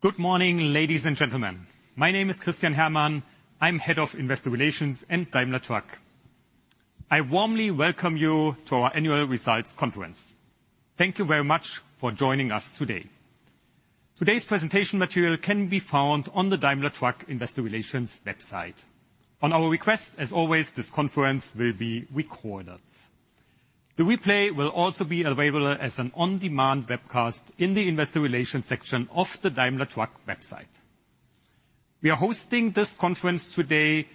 Good morning, ladies and gentlemen. My name is Christian Herrmann, I'm Head of Investor Relations at Daimler Truck. I warmly welcome you to our Annual results Conference. Thank you very much for joining us today. Today's presentation material can be found on the Daimler Truck Investor Relations website. At our request, as always, this conference will be recorded. The replay will also be available as an on-demand webcast in the Investor Relations section of the Daimler Truck website. We are hosting this conference today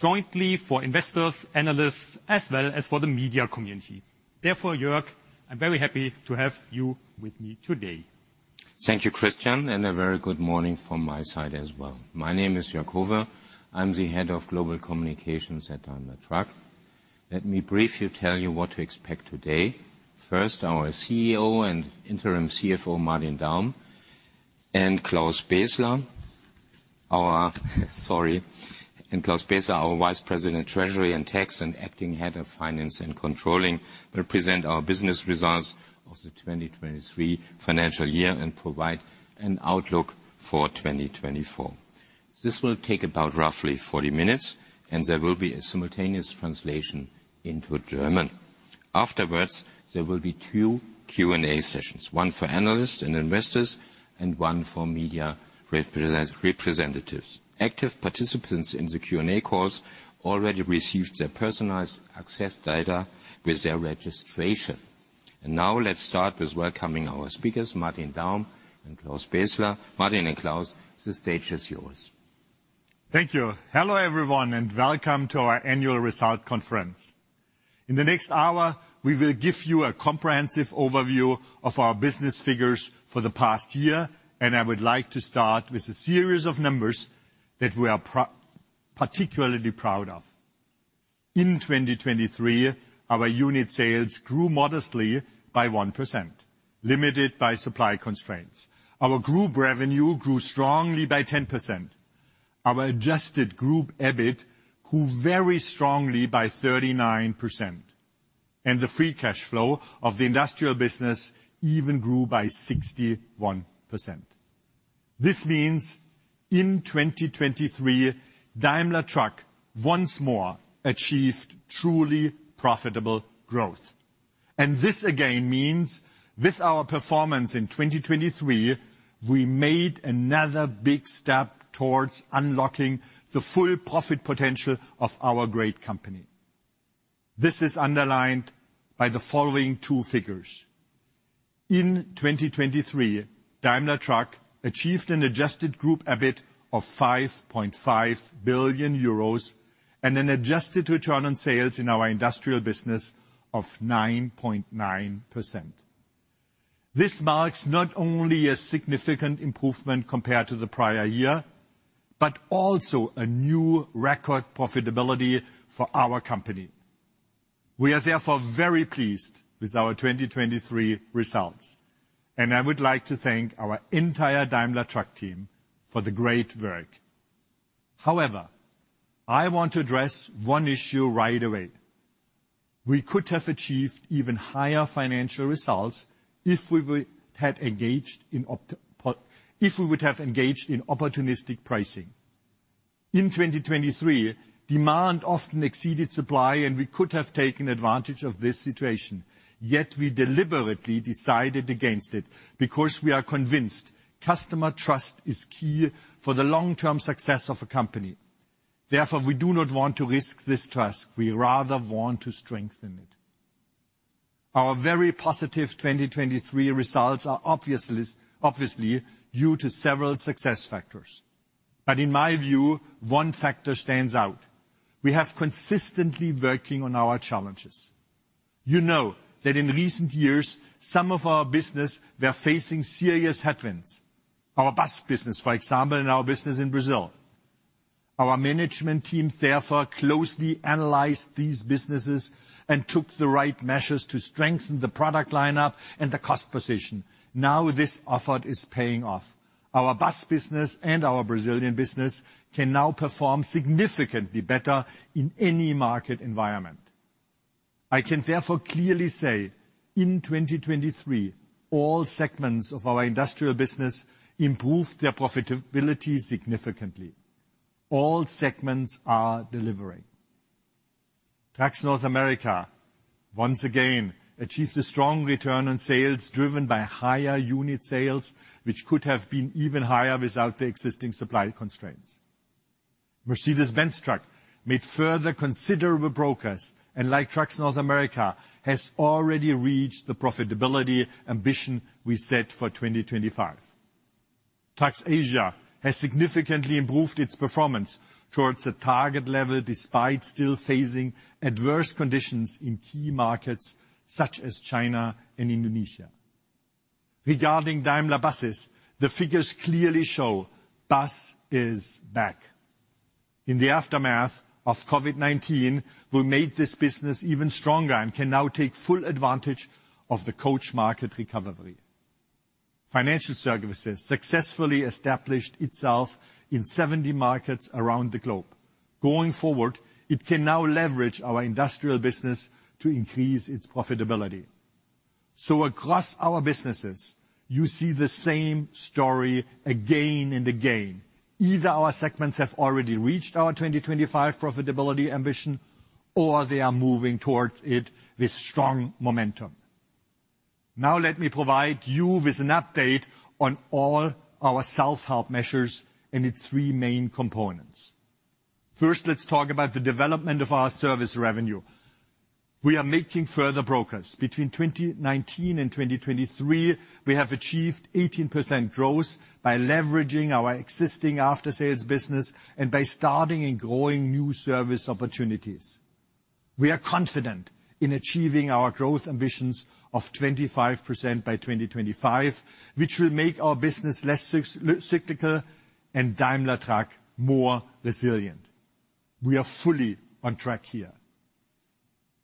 jointly for investors, analysts, as well as for the media community. Therefore, Jörg, I'm very happy to have you with me today. Thank you, Christian, and a very good morning from my side as well. My name is Jörg Howe, I'm the Head of Global Communications at Daimler Truck. Let me briefly tell you what to expect today. First, our CEO and interim CFO, Martin Daum, and Claus Bässler, sorry, and Claus Bässler, our Vice President of Treasury and Tax and Acting Head of Finance and Controlling, will present our business results of the 2023 financial year and provide an outlook for 2024. This will take about roughly 40 minutes, and there will be a simultaneous translation into German. Afterwards, there will be two Q&A sessions: one for analysts and investors, and one for media representatives. Active participants in the Q&A calls already received their personalized access data with their registration. Now let's start with welcoming our speakers, Martin Daum and Claus Bässler. Martin and Claus, the stage is yours. Thank you. Hello everyone, and welcome to our Annual Results Conference. In the next hour, we will give you a comprehensive overview of our business figures for the past year, and I would like to start with a series of numbers that we are particularly proud of. In 2023, our unit sales grew modestly by 1%, limited by supply constraints. Our group revenue grew strongly by 10%. Our Adjusted Group EBIT grew very strongly by 39%. The free cash flow of the industrial business even grew by 61%. This means in 2023, Daimler Truck once more achieved truly profitable growth. This again means with our performance in 2023, we made another big step towards unlocking the full profit potential of our great company. This is underlined by the following two figures. In 2023, Daimler Truck achieved an adjusted group EBIT of 5.5 billion euros and an adjusted return on sales in our industrial business of 9.9%. This marks not only a significant improvement compared to the prior year, but also a new record profitability for our company. We are therefore very pleased with our 2023 results, and I would like to thank our entire Daimler Truck team for the great work. However, I want to address one issue right away. We could have achieved even higher financial results if we had engaged in opportunistic pricing. In 2023, demand often exceeded supply, and we could have taken advantage of this situation, yet we deliberately decided against it because we are convinced customer trust is key for the long-term success of a company. Therefore, we do not want to risk this trust. We rather want to strengthen it. Our very positive 2023 results are obviously due to several success factors. In my view, one factor stands out: we have consistently been working on our challenges. You know that in recent years, some of our businesses were facing serious headwinds. Our bus business, for example, and our business in Brazil. Our management teams therefore closely analyzed these businesses and took the right measures to strengthen the product lineup and the cost position. Now this effort is paying off. Our bus business and our Brazilian business can now perform significantly better in any market environment. I can therefore clearly say: in 2023, all segments of our industrial business improved their profitability significantly. All segments are delivering. Trucks North America once again achieved a strong return on sales driven by higher unit sales, which could have been even higher without the existing supply constraints. Mercedes-Benz Trucks made further considerable progress and, like Trucks North America, has already reached the profitability ambition we set for 2025. Trucks Asia has significantly improved its performance towards a target level despite still facing adverse conditions in key markets such as China and Indonesia. Regarding Daimler Buses, the figures clearly show: bus is back. In the aftermath of COVID-19, we made this business even stronger and can now take full advantage of the coach market recovery. Financial Services successfully established itself in 70 markets around the globe. Going forward, it can now leverage our industrial business to increase its profitability. So, across our businesses, you see the same story again and again: either our segments have already reached our 2025 profitability ambition, or they are moving towards it with strong momentum. Now let me provide you with an update on all our self-help measures and its three main components. First, let's talk about the development of our service revenue. We are making further progress. Between 2019 and 2023, we have achieved 18% growth by leveraging our existing after-sales business and by starting and growing new service opportunities. We are confident in achieving our growth ambitions of 25% by 2025, which will make our business less cyclical and Daimler Truck more resilient. We are fully on track here.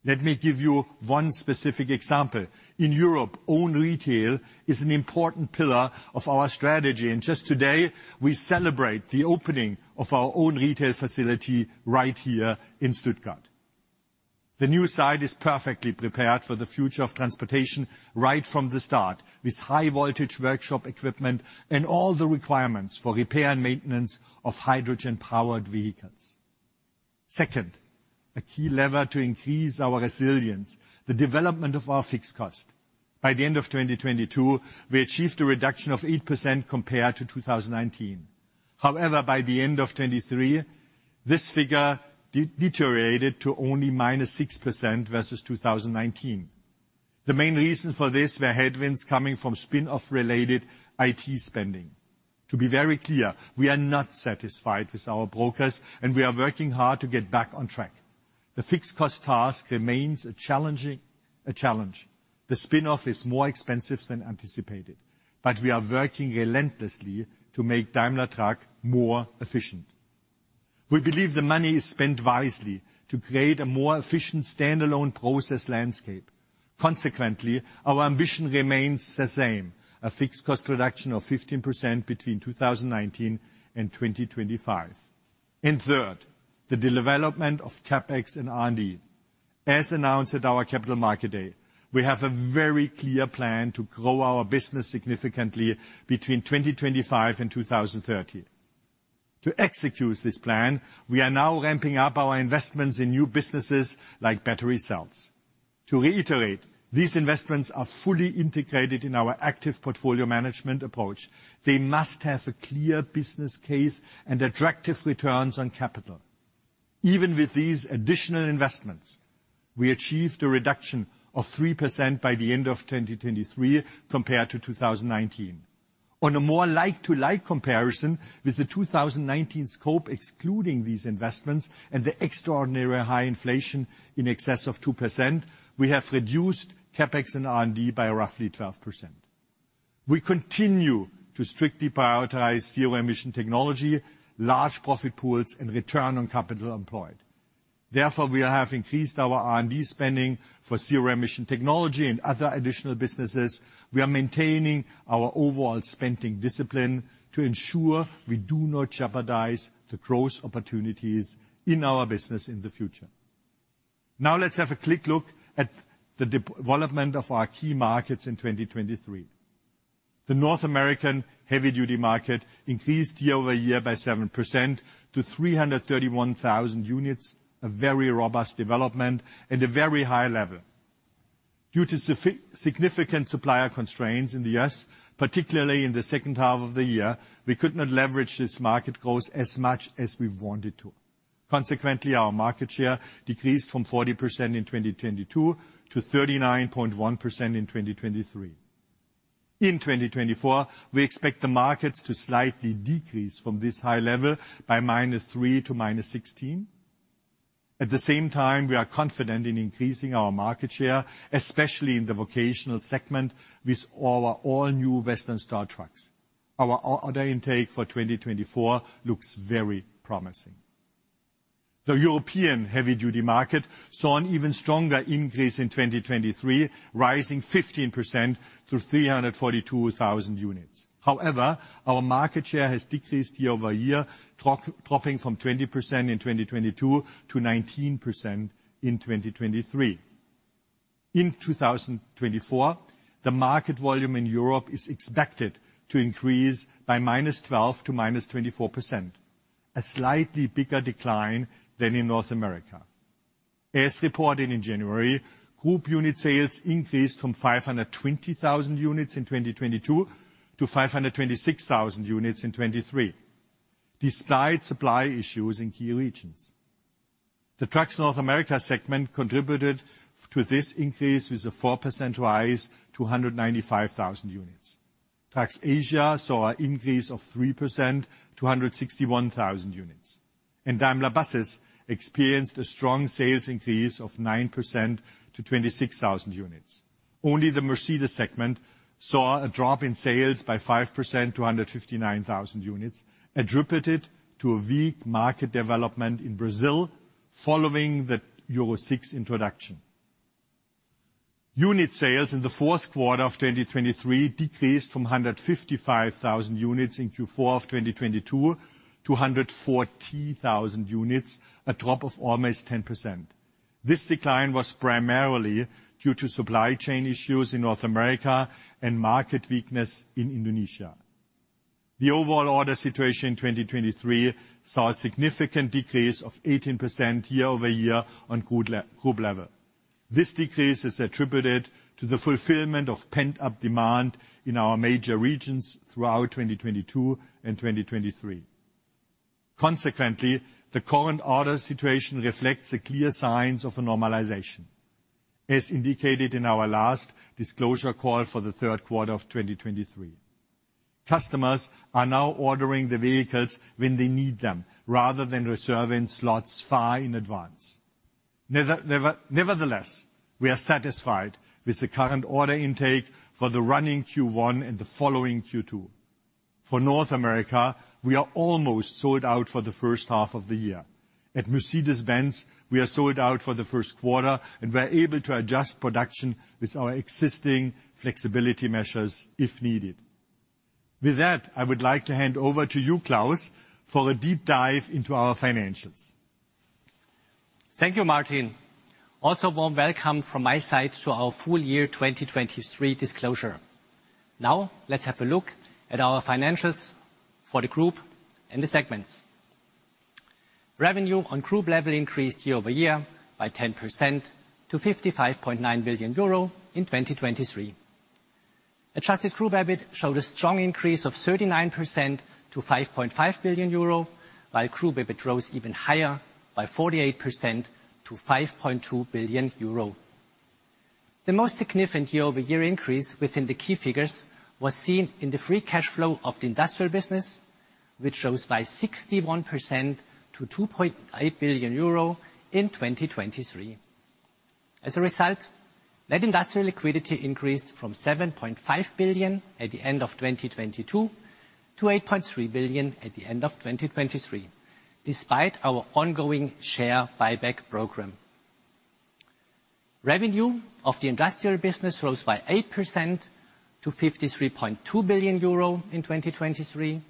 Let me give you one specific example. In Europe, own retail is an important pillar of our strategy, and just today we celebrate the opening of our own retail facility right here in Stuttgart. The new site is perfectly prepared for the future of transportation right from the start, with high-voltage workshop equipment and all the requirements for repair and maintenance of hydrogen-powered vehicles. Second, a key lever to increase our resilience: the development of our fixed cost. By the end of 2022, we achieved a reduction of 8% compared to 2019. However, by the end of 2023, this figure deteriorated to only -6% versus 2019. The main reason for this were headwinds coming from spin-off-related IT spending. To be very clear: we are not satisfied with our progress, and we are working hard to get back on track. The fixed-cost task remains a challenge. The spin-off is more expensive than anticipated. But we are working relentlessly to make Daimler Truck more efficient. We believe the money is spent wisely to create a more efficient standalone process landscape. Consequently, our ambition remains the same: a fixed-cost reduction of 15% between 2019 and 2025. And third, the development of CapEx and R&D. As announced at our Capital Market Day, we have a very clear plan to grow our business significantly between 2025 and 2030. To execute this plan, we are now ramping up our investments in new businesses like battery cells. To reiterate: these investments are fully integrated in our active portfolio management approach. They must have a clear business case and attractive returns on capital. Even with these additional investments, we achieved a reduction of 3% by the end of 2023 compared to 2019. On a more like-for-like comparison, with the 2019 scope excluding these investments and the extraordinary high inflation in excess of 2%, we have reduced CapEx and R&D by roughly 12%. We continue to strictly prioritize zero-emission technology, large profit pools, and return on capital employed. Therefore, we have increased our R&D spending for zero-emission technology and other additional businesses. We are maintaining our overall spending discipline to ensure we do not jeopardize the growth opportunities in our business in the future. Now let's have a quick look at the development of our key markets in 2023. The North American heavy-duty market increased year-over-year by 7% to 331,000 units, a very robust development and a very high level. Due to significant supplier constraints in the U.S., particularly in the second half of the year, we could not leverage this market growth as much as we wanted to. Consequently, our market share decreased from 40% in 2022 to 39.1% in 2023. In 2024, we expect the markets to slightly decrease from this high level by -3% to -16%. At the same time, we are confident in increasing our market share, especially in the vocational segment, with our all-new Western Star trucks. Our order intake for 2024 looks very promising. The European heavy-duty market saw an even stronger increase in 2023, rising 15% to 342,000 units. However, our market share has decreased year-over-year, dropping from 20% in 2022 to 19% in 2023. In 2024, the market volume in Europe is expected to increase by -12% to -24%, a slightly bigger decline than in North America. As reported in January, group unit sales increased from 520,000 units in 2022 to 526,000 units in 2023, despite supply issues in key regions. The Trucks North America segment contributed to this increase with a 4% rise to 195,000 units. Trucks Asia saw an increase of 3% to 161,000 units. Daimler Buses experienced a strong sales increase of 9% to 26,000 units. Only the Mercedes segment saw a drop in sales by 5% to 159,000 units, attributed to a weak market development in Brazil following the Euro 6 introduction. Unit sales in the fourth quarter of 2023 decreased from 155,000 units in Q4 of 2022 to 140,000 units, a drop of almost 10%. This decline was primarily due to supply chain issues in North America and market weakness in Indonesia. The overall order situation in 2023 saw a significant decrease of 18% year-over-year on group level. This decrease is attributed to the fulfillment of pent-up demand in our major regions throughout 2022 and 2023. Consequently, the current order situation reflects clear signs of a normalization, as indicated in our last disclosure call for the third quarter of 2023. Customers are now ordering the vehicles when they need them, rather than reserving slots far in advance. Nevertheless, we are satisfied with the current order intake for the running Q1 and the following Q2. For North America, we are almost sold out for the first half of the year. At Mercedes-Benz, we are sold out for the first quarter and were able to adjust production with our existing flexibility measures if needed. With that, I would like to hand over to you, Claus, for a deep dive into our financials. Thank you, Martin. Also, a warm welcome from my side to our full year 2023 disclosure. Now let's have a look at our financials for the group and the segments. Revenue on group level increased year-over-year by 10% to 55.9 billion euro in 2023. Adjusted group EBIT showed a strong increase of 39% to 5.5 billion euro, while group EBIT rose even higher by 48% to 5.2 billion euro. The most significant year-over-year increase within the key figures was seen in the free cash flow of the industrial business, which rose by 61% to 2.8 billion euro in 2023. As a result, net industrial liquidity increased from 7.5 billion at the end of 2022 to 8.3 billion at the end of 2023, despite our ongoing share buyback program. Revenue of the industrial business rose by 8% to 53.2 billion euro in 2023.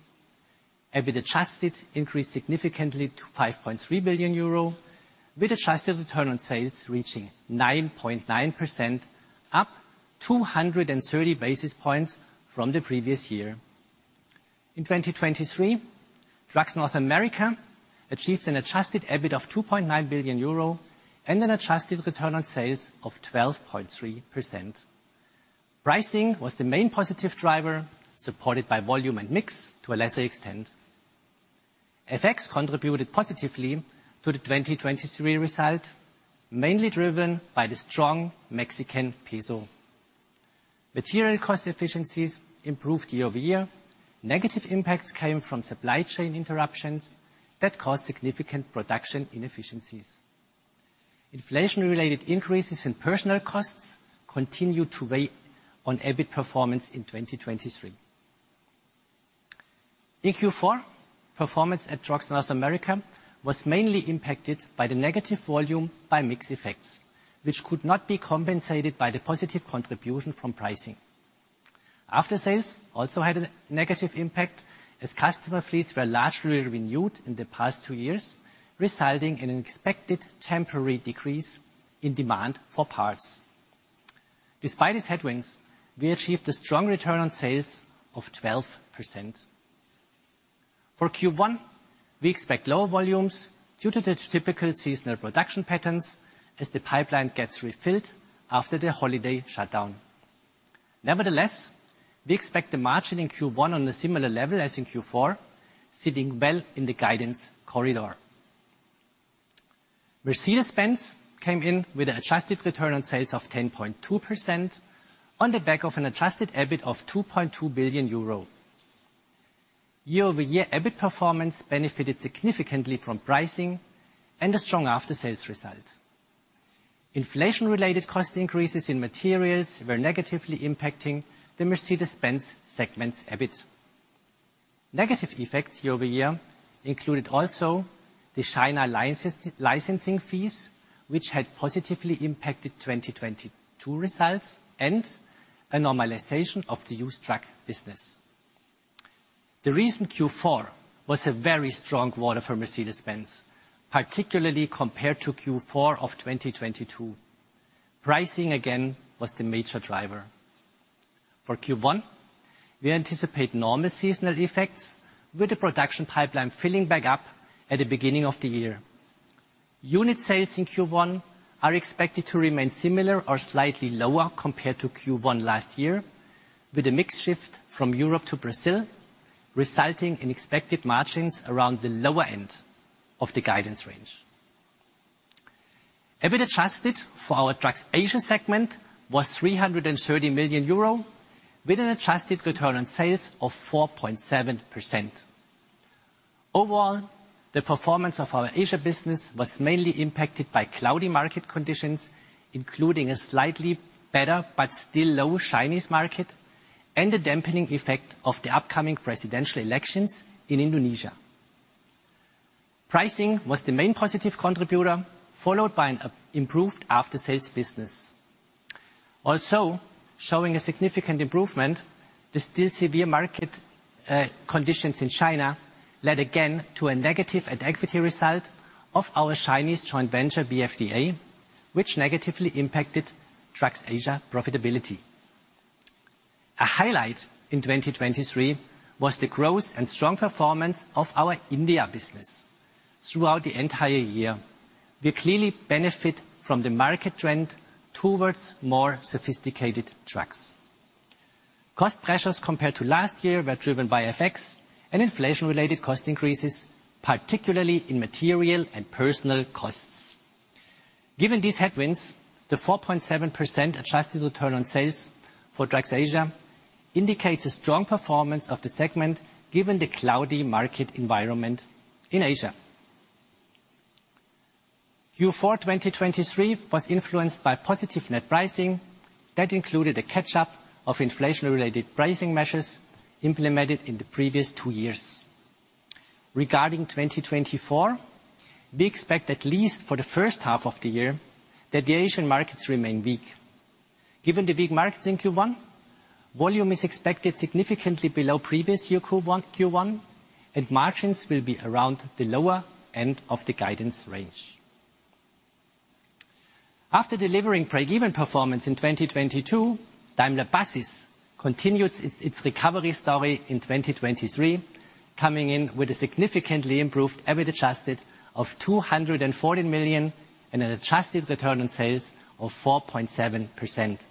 EBIT adjusted increased significantly to 5.3 billion euro, with adjusted return on sales reaching 9.9%, up 230 basis points from the previous year. In 2023, Trucks North America achieved an adjusted EBIT of 2.9 billion euro and an adjusted return on sales of 12.3%. Pricing was the main positive driver, supported by volume and mix to a lesser extent. FX contributed positively to the 2023 result, mainly driven by the strong Mexican peso. Material cost efficiencies improved year-over-year. Negative impacts came from supply chain interruptions that caused significant production inefficiencies. Inflation-related increases in personal costs continued to weigh on EBIT performance in 2023. In Q4, performance at Trucks North America was mainly impacted by the negative volume-by-mix effects, which could not be compensated by the positive contribution from pricing. After-sales also had a negative impact, as customer fleets were largely renewed in the past 2 years, resulting in an expected temporary decrease in demand for parts. Despite these headwinds, we achieved a strong return on sales of 12%. For Q1, we expect lower volumes due to the typical seasonal production patterns, as the pipeline gets refilled after the holiday shutdown. Nevertheless, we expect the margin in Q1 on a similar level as in Q4, sitting well in the guidance corridor. Mercedes-Benz came in with an adjusted return on sales of 10.2% on the back of an adjusted EBIT of 2.2 billion euro. Year-over-year EBIT performance benefited significantly from pricing and a strong after-sales result. Inflation-related cost increases in materials were negatively impacting the Mercedes-Benz segment's EBIT. Negative effects year over year included also the China licensing fees, which had positively impacted 2022 results, and a normalization of the used truck business. The recent Q4 was a very strong quarter for Mercedes-Benz, particularly compared to Q4 of 2022. Pricing, again, was the major driver. For Q1, we anticipate normal seasonal effects, with the production pipeline filling back up at the beginning of the year. Unit sales in Q1 are expected to remain similar or slightly lower compared to Q1 last year, with a mix shift from Europe to Brazil, resulting in expected margins around the lower end of the guidance range. EBIT adjusted for our Trucks Asia segment was 330 million euro, with an adjusted return on sales of 4.7%. Overall, the performance of our Asia business was mainly impacted by cloudy market conditions, including a slightly better but still low Chinese market, and the dampening effect of the upcoming presidential elections in Indonesia. Pricing was the main positive contributor, followed by an improved after-sales business. Also, showing a significant improvement, the still severe market conditions in China led again to a negative at-equity result of our Chinese joint venture BFDA, which negatively impacted Trucks Asia profitability. A highlight in 2023 was the growth and strong performance of our India business. Throughout the entire year, we clearly benefit from the market trend towards more sophisticated trucks. Cost pressures compared to last year were driven by FX and inflation-related cost increases, particularly in material and personnel costs. Given these headwinds, the 4.7% adjusted return on sales for Trucks Asia indicates a strong performance of the segment given the cloudy market environment in Asia. Q4 2023 was influenced by positive net pricing that included a catch-up of inflation-related pricing measures implemented in the previous two years. Regarding 2024, we expect at least for the first half of the year that the Asian markets remain weak. Given the weak markets in Q1, volume is expected significantly below previous year Q1, and margins will be around the lower end of the guidance range. After delivering break-even performance in 2022, Daimler Buses continued its recovery story in 2023, coming in with a significantly improved adjusted EBIT of 214 million and an adjusted return on sales of 4.7%.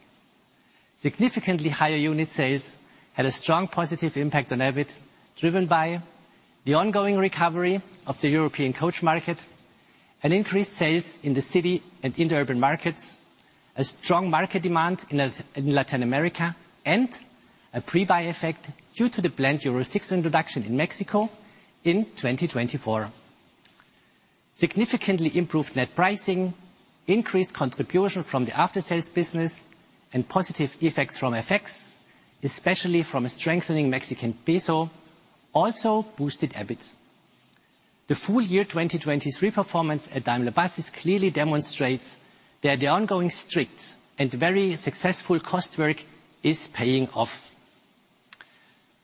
Significantly higher unit sales had a strong positive impact on EBIT, driven by the ongoing recovery of the European coach market, increased sales in the city and interurban markets, a strong market demand in Latin America, and a pre-buy effect due to the planned Euro 6 introduction in Mexico in 2024. Significantly improved net pricing, increased contribution from the after-sales business, and positive effects from FX, especially from a strengthening Mexican peso, also boosted EBIT. The full year 2023 performance at Daimler Buses clearly demonstrates that the ongoing strict and very successful cost work is paying off.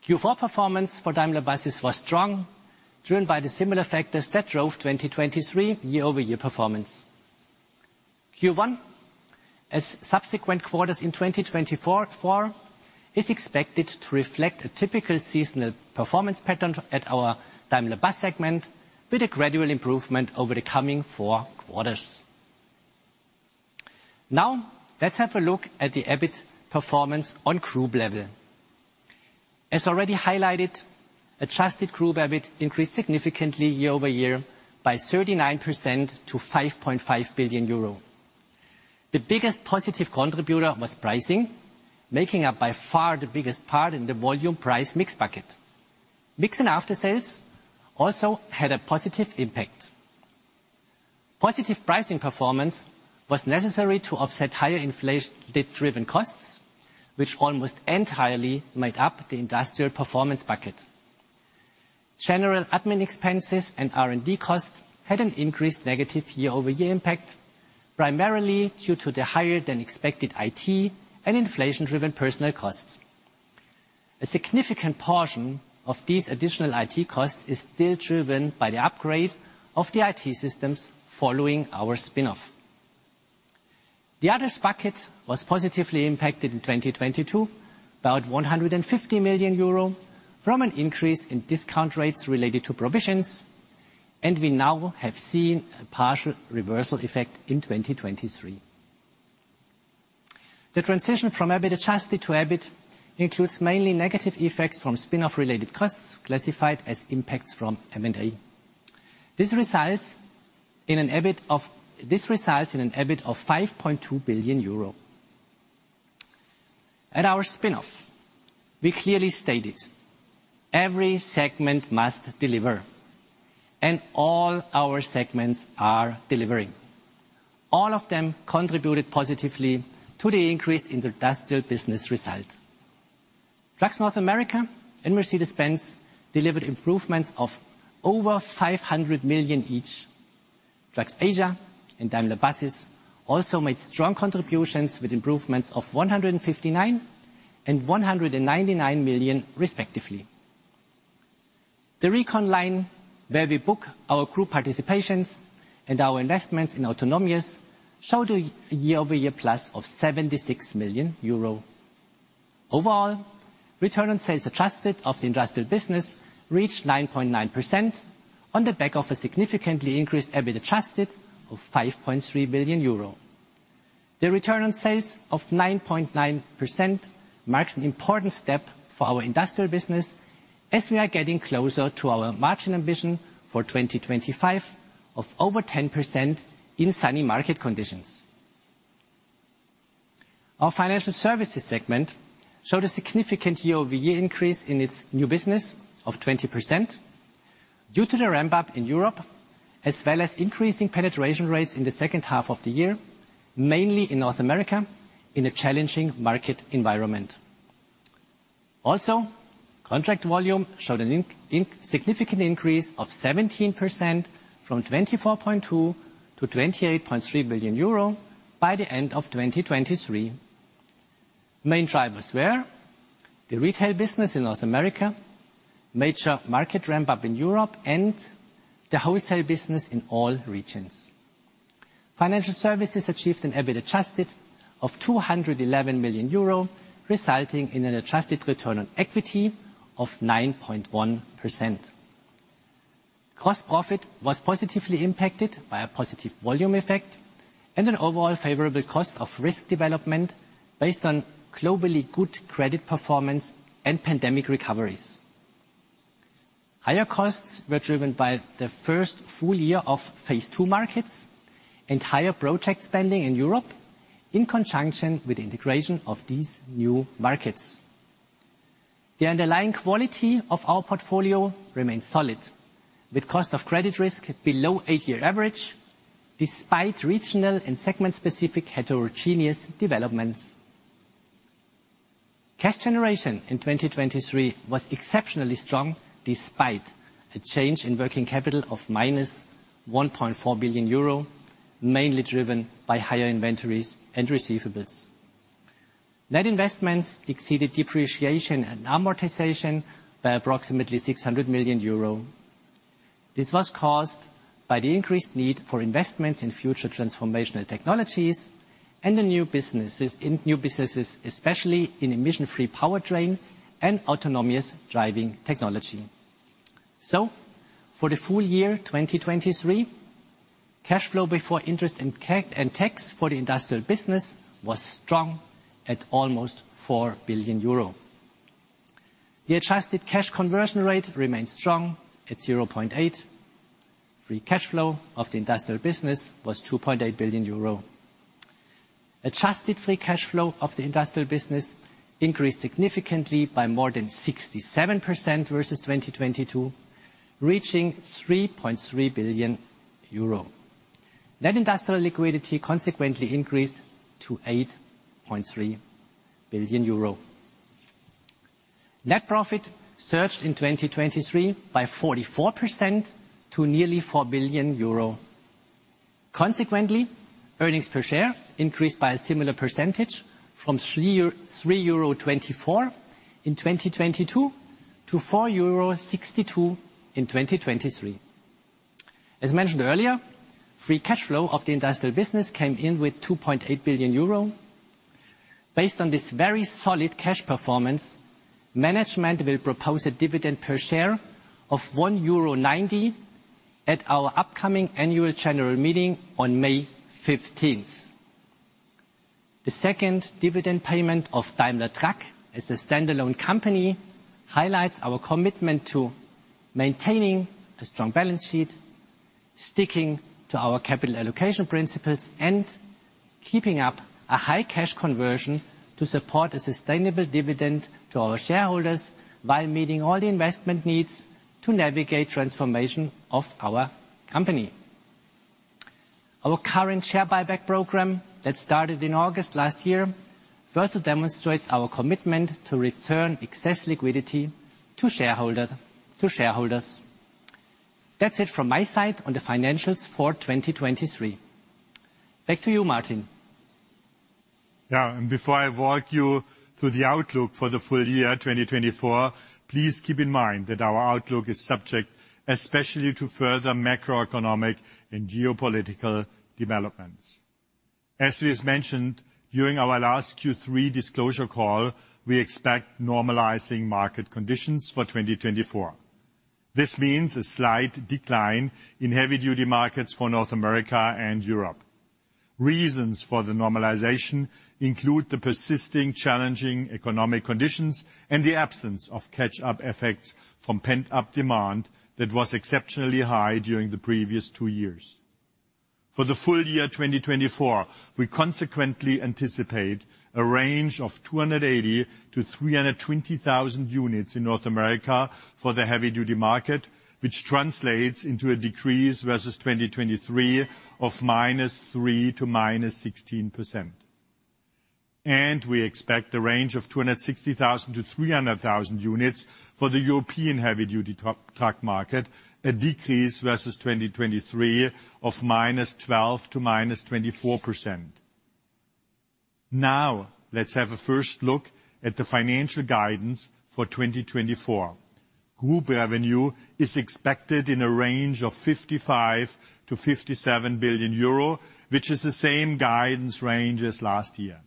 Q4 performance for Daimler Buses was strong, driven by the similar factors that drove 2023 year-over-year performance. Q1, as subsequent quarters in 2024, is expected to reflect a typical seasonal performance pattern at our Daimler Buses segment, with a gradual improvement over the coming four quarters. Now let's have a look at the EBIT performance on group level. As already highlighted, adjusted group EBIT increased significantly year-over-year by 39% to 5.5 billion euro. The biggest positive contributor was pricing, making up by far the biggest part in the volume-price mix bucket. Mix and after-sales also had a positive impact. Positive pricing performance was necessary to offset higher inflation-driven costs, which almost entirely made up the industrial performance bucket. General admin expenses and R&D costs had an increased negative year-over-year impact, primarily due to the higher-than-expected IT and inflation-driven personnel costs. A significant portion of these additional IT costs is still driven by the upgrade of the IT systems following our spin-off. The others' bucket was positively impacted in 2022, about 150 million euro, from an increase in discount rates related to provisions, and we now have seen a partial reversal effect in 2023. The transition from EBIT adjusted to EBIT includes mainly negative effects from spin-off-related costs classified as impacts from M&A. This results in an EBIT of 5.2 billion euro. At our spin-off, we clearly stated, "Every segment must deliver," and all our segments are delivering. All of them contributed positively to the increased industrial business result. Trucks North America and Mercedes-Benz delivered improvements of over 500 million each. Trucks Asia and Daimler Buses also made strong contributions with improvements of 159 million and 199 million, respectively. The recon line, where we book our group participations and our investments in autonomous, showed a year-over-year plus of EUR 76 million. Overall, return on sales adjusted of the industrial business reached 9.9% on the back of a significantly increased EBIT adjusted of 5.3 billion euro. The return on sales of 9.9% marks an important step for our industrial business, as we are getting closer to our margin ambition for 2025 of over 10% in sunny market conditions. Our financial services segment showed a significant year-over-year increase in its new business of 20% due to the ramp-up in Europe, as well as increasing penetration rates in the second half of the year, mainly in North America, in a challenging market environment. Also, contract volume showed a significant increase of 17% from 24.2 billion-28.3 billion euro by the end of 2023. Main drivers were the retail business in North America, major market ramp-up in Europe, and the wholesale business in all regions. Financial services achieved an EBIT adjusted of 211 million euro, resulting in an adjusted return on equity of 9.1%. Gross profit was positively impacted by a positive volume effect and an overall favorable cost of risk development based on globally good credit performance and pandemic recoveries. Higher costs were driven by the first full year of phase two markets and higher project spending in Europe, in conjunction with the integration of these new markets. The underlying quality of our portfolio remained solid, with cost of credit risk below eight-year average, despite regional and segment-specific heterogeneous developments. Cash generation in 2023 was exceptionally strong despite a change in working capital of -1.4 billion euro, mainly driven by higher inventories and receivables. Net investments exceeded depreciation and amortization by approximately 600 million euro. This was caused by the increased need for investments in future transformational technologies and in new businesses, especially in emission-free powertrain and autonomous driving technology. For the full year 2023, cash flow before interest and tax for the industrial business was strong at almost 4 billion euro. The adjusted cash conversion rate remained strong at 0.8. Free cash flow of the industrial business was 2.8 billion euro. Adjusted free cash flow of the industrial business increased significantly by more than 67% versus 2022, reaching 3.3 billion euro. Net industrial liquidity consequently increased to 8.3 billion euro. Net profit surged in 2023 by 44% to nearly 4 billion euro. Consequently, earnings per share increased by a similar percentage from 3.24 euro in 2022 to 4.62 euro in 2023. As mentioned earlier, free cash flow of the industrial business came in with 2.8 billion euro. Based on this very solid cash performance, management will propose a dividend per share of 1.90 euro at our upcoming Annual General Meeting on May 15th. The second dividend payment of Daimler Truck, as a standalone company, highlights our commitment to maintaining a strong balance sheet, sticking to our capital allocation principles, and keeping up a high cash conversion to support a sustainable dividend to our shareholders while meeting all the investment needs to navigate transformation of our company. Our current share buyback program that started in August last year further demonstrates our commitment to return excess liquidity to shareholders. That's it from my side on the financials for 2023. Back to you, Martin. Before I walk you through the outlook for the full year 2024, please keep in mind that our outlook is subject especially to further macroeconomic and geopolitical developments. As was mentioned during our last Q3 disclosure call, we expect normalizing market conditions for 2024. This means a slight decline in heavy-duty markets for North America and Europe. Reasons for the normalization include the persisting challenging economic conditions and the absence of catch-up effects from pent-up demand that was exceptionally high during the previous two years. For the full year 2024, we consequently anticipate a range of 280,000-320,000 units in North America for the heavy-duty market, which translates into a decrease versus 2023 of -3% to -16%. We expect a range of 260,000-300,000 units for the European heavy-duty truck market, a decrease versus 2023 of -12% to -24%. Now let's have a first look at the financial guidance for 2024. Group revenue is expected in a range of 55 billion-57 billion euro, which is the same guidance range as last year.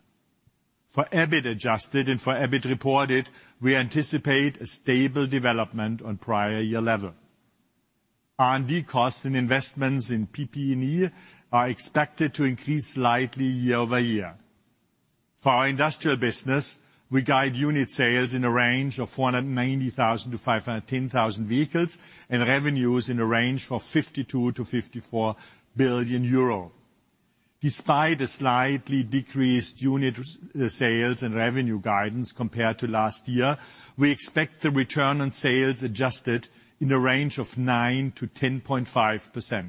For EBIT adjusted and for EBIT reported, we anticipate a stable development on prior year level. R&D costs and investments in PP&E are expected to increase slightly year-over-year. For our industrial business, we guide unit sales in a range of 490,000-510,000 vehicles and revenues in a range of 52 billion-54 billion euro. Despite a slightly decreased unit sales and revenue guidance compared to last year, we expect the return on sales adjusted in a range of 9%-10.5%.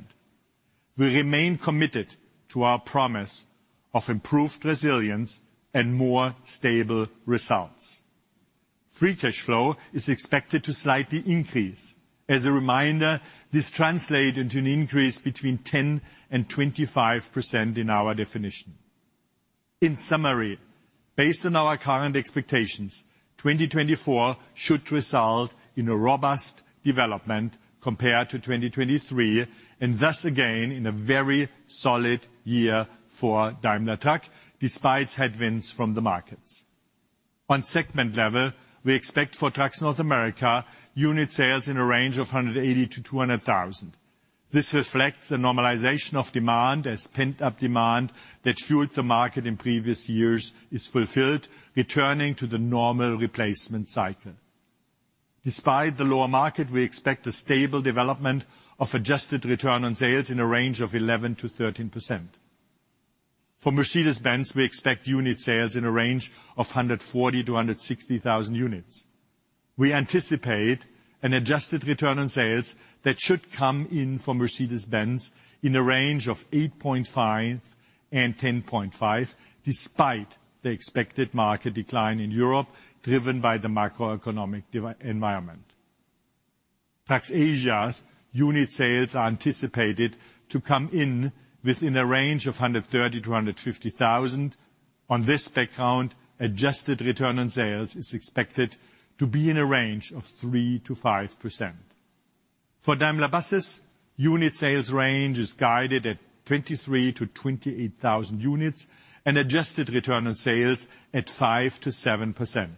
We remain committed to our promise of improved resilience and more stable results. Free cash flow is expected to slightly increase. As a reminder, this translates into an increase between 10% and 25% in our definition. In summary, based on our current expectations, 2024 should result in a robust development compared to 2023 and thus again in a very solid year for Daimler Truck, despite headwinds from the markets. On segment level, we expect for Trucks North America unit sales in a range of 180,000-200,000. This reflects a normalization of demand, as pent-up demand that fueled the market in previous years is fulfilled, returning to the normal replacement cycle. Despite the lower market, we expect a stable development of Adjusted Return on Sales in a range of 11%-13%. For Mercedes-Benz, we expect unit sales in a range of 140,000-160,000 units. We anticipate an adjusted return on sales that should come in for Mercedes-Benz in a range of 8.5%-10.5%, despite the expected market decline in Europe driven by the macroeconomic environment. Trucks Asia's unit sales are anticipated to come in within a range of 130,000-150,000. On this background, adjusted return on sales is expected to be in a range of 3%-5%. For Daimler Buses, unit sales range is guided at 23,000-28,000 units and adjusted return on sales at 5%-7%.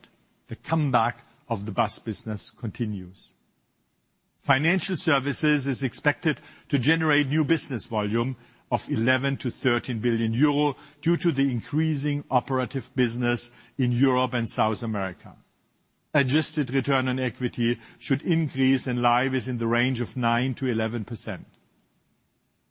The comeback of the bus business continues. Financial services is expected to generate new business volume of 11 billion-13 billion euro due to the increasing operative business in Europe and South America. Adjusted return on equity should increase and lie within the range of 9%-11%.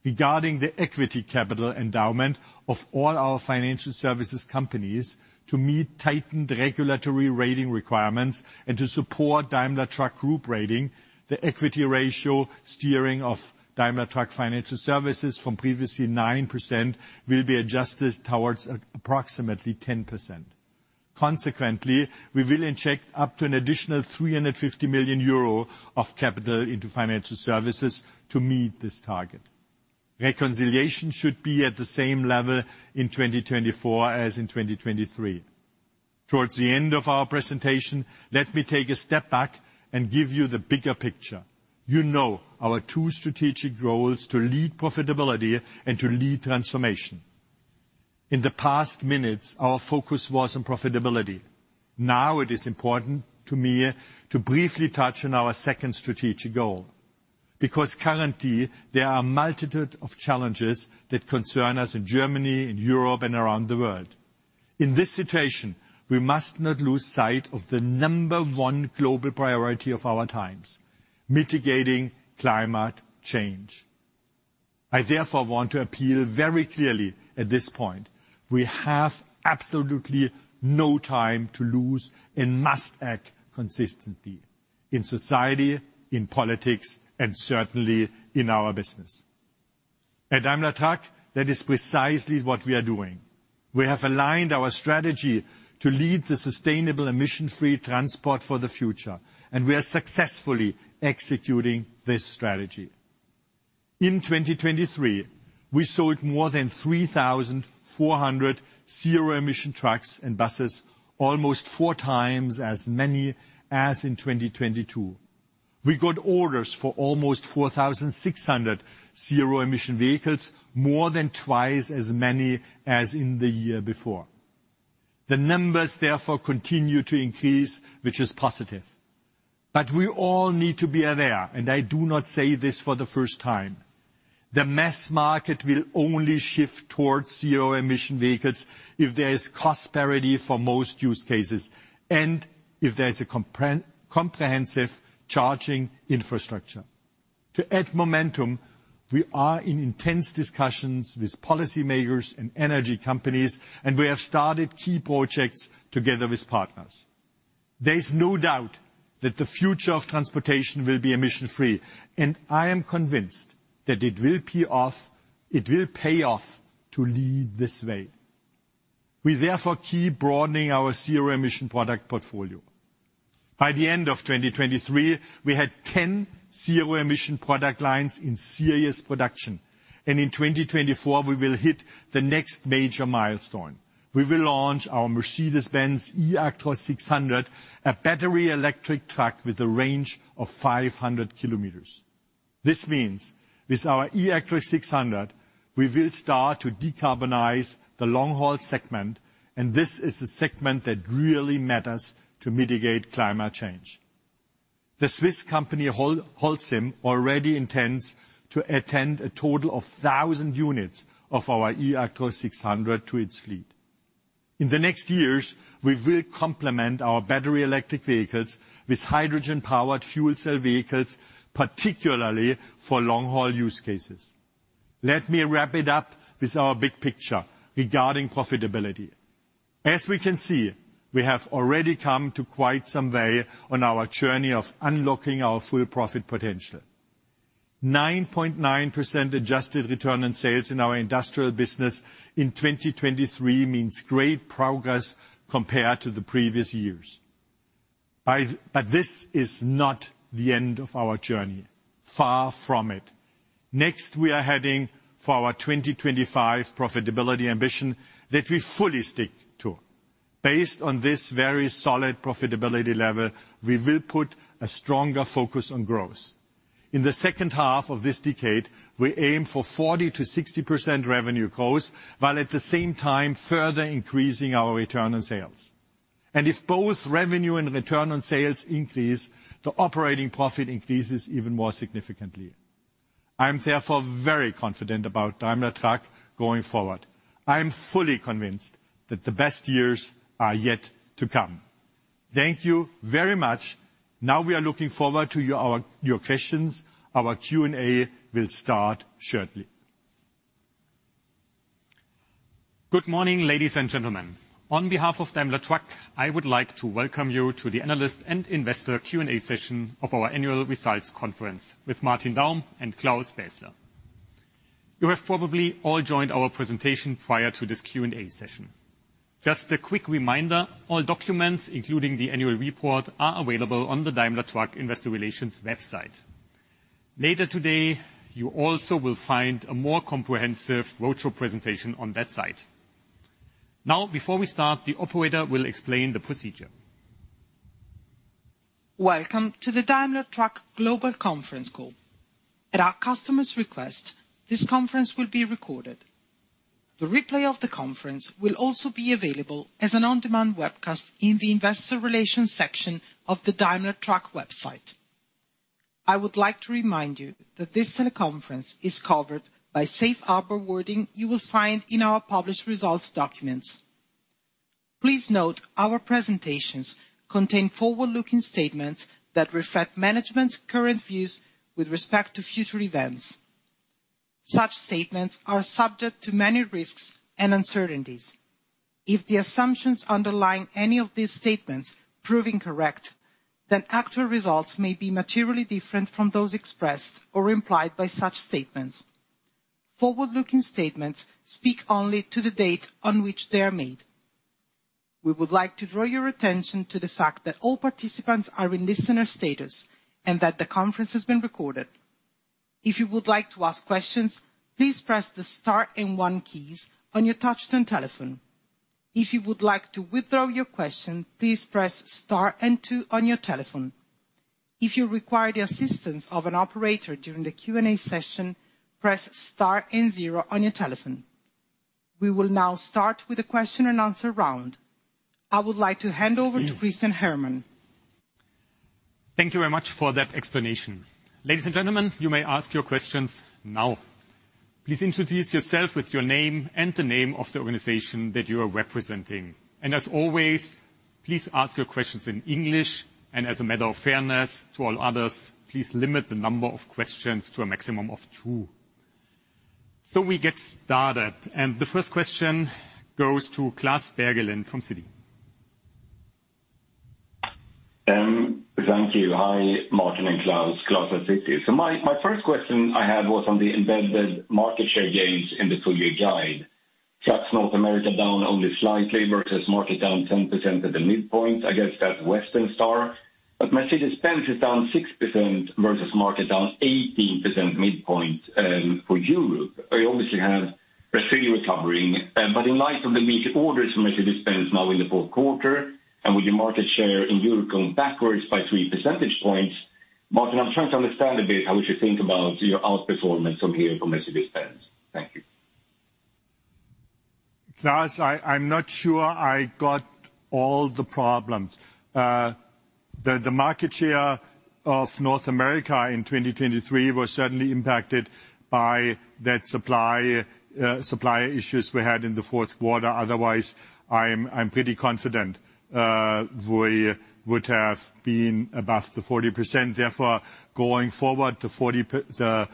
Regarding the equity capital endowment of all our financial services companies, to meet tightened regulatory rating requirements and to support Daimler Truck Group rating, the equity ratio steering of Daimler Truck Financial Services from previously 9% will be adjusted towards approximately 10%. Consequently, we will inject up to an additional 350 million euro of capital into financial services to meet this target. Reconciliation should be at the same level in 2024 as in 2023. Towards the end of our presentation, let me take a step back and give you the bigger picture. You know our two strategic goals to lead profitability and to lead transformation. In the past minutes, our focus was on profitability. Now it is important to me to briefly touch on our second strategic goal. Because currently, there are a multitude of challenges that concern us in Germany, in Europe, and around the world. In this situation, we must not lose sight of the number one global priority of our times: mitigating climate change. I therefore want to appeal very clearly at this point: We have absolutely no time to lose and must act consistently. In society, in politics, and certainly in our business. At Daimler Truck, that is precisely what we are doing. We have aligned our strategy to lead the sustainable emission-free transport for the future, and we are successfully executing this strategy. In 2023, we sold more than 3,400 zero-emission trucks and buses, almost four times as many as in 2022. We got orders for almost 4,600 zero-emission vehicles, more than twice as many as in the year before. The numbers therefore continue to increase, which is positive. We all need to be aware, and I do not say this for the first time: The mass market will only shift towards zero-emission vehicles if there is cost parity for most use cases and if there is a comprehensive charging infrastructure. To add momentum, we are in intense discussions with policymakers and energy companies, and we have started key projects together with partners. There is no doubt that the future of transportation will be emission-free, and I am convinced that it will pay off to lead this way. We therefore keep broadening our zero-emission product portfolio. By the end of 2023, we had 10 zero-emission product lines in serious production, and in 2024 we will hit the next major milestone: We will launch our Mercedes-Benz eActros 600, a battery electric truck with a range of 500 kilometers. This means: With our eActros 600, we will start to decarbonize the long-haul segment, and this is a segment that really matters to mitigate climate change. The Swiss company Holcim already intends to add a total of 1,000 units of our eActros 600 to its fleet. In the next years, we will complement our battery electric vehicles with hydrogen-powered fuel cell vehicles, particularly for long-haul use cases. Let me wrap it up with our big picture regarding profitability. As we can see, we have already come to quite some way on our journey of unlocking our full profit potential. 9.9% adjusted return on sales in our industrial business in 2023 means great progress compared to the previous years. But this is not the end of our journey. Far from it. Next, we are heading for our 2025 profitability ambition that we fully stick to. Based on this very solid profitability level, we will put a stronger focus on growth. In the second half of this decade, we aim for 40%-60% revenue growth, while at the same time further increasing our return on sales. If both revenue and return on sales increase, the operating profit increases even more significantly. I am therefore very confident about Daimler Truck going forward. I am fully convinced that the best years are yet to come. Thank you very much. Now we are looking forward to your questions. Our Q&A will start shortly. Good morning, ladies and gentlemen. On behalf of Daimler Truck, I would like to welcome you to the analyst and investor Q&A session of our annual Results Conference with Martin Daum and Claus Bässler. You have probably all joined our presentation prior to this Q&A session. Just a quick reminder: All documents, including the annual report, are available on the Daimler Truck Investor Relations website. Later today, you also will find a more comprehensive roadshow presentation on that site. Now, before we start, the operator will explain the procedure. Welcome to the Daimler Truck Global Conference Call. At our customer's request, this conference will be recorded. The replay of the conference will also be available as an on-demand webcast in the Investor Relations section of the Daimler Truck website. I would like to remind you that this teleconference is covered by safe harbor wording you will find in our published results documents. Please note: Our presentations contain forward-looking statements that reflect management's current views with respect to future events. Such statements are subject to many risks and uncertainties. If the assumptions underlying any of these statements prove incorrect, then actual results may be materially different from those expressed or implied by such statements. Forward-looking statements speak only to the date on which they are made. We would like to draw your attention to the fact that all participants are in listener status and that the conference has been recorded. If you would like to ask questions, please press the star and 1 keys on your touchscreen telephone. If you would like to withdraw your question, please press star and 2 on your telephone. If you require the assistance of an operator during the Q&A session, press star and 0 on your telephone. We will now start with a question-and-answer round. I would like to hand over to Christian Herrmann. Thank you very much for that explanation. Ladies and gentlemen, you may ask your questions now. Please introduce yourself with your name and the name of the organization that you are representing. And as always, please ask your questions in English, and as a matter of fairness to all others, please limit the number of questions to a maximum of two. We get started, and the first question goes to Klas Bergelind from Citi. Thank you. Hi, Martin and Claus. Klas at Citi. So my first question I had was on the embedded market share gains in the full year guide. Trucks North America down only slightly versus market down 10% at the midpoint. I guess that's Western Star. But Mercedes-Benz is down 6% versus market down 18% midpoint for Europe. We obviously have Brazil recovering. But in light of the weaker orders from Mercedes-Benz now in the fourth quarter and with the market share in Europe going backwards by three percentage points, Martin, I'm trying to understand a bit how we should think about your outperformance from here for Mercedes-Benz. Thank you. Klas, I'm not sure I got all the problems. The market share of North America in 2023 was certainly impacted by that supply issues we had in the fourth quarter. Otherwise, I'm pretty confident we would have been above the 40%. Therefore, going forward, the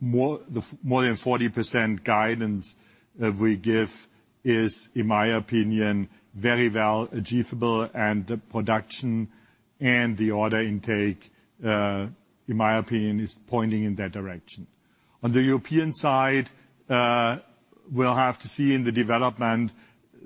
more than 40% guidance we give is, in my opinion, very well achievable, and production and the order intake, in my opinion, is pointing in that direction. On the European side, we'll have to see in the development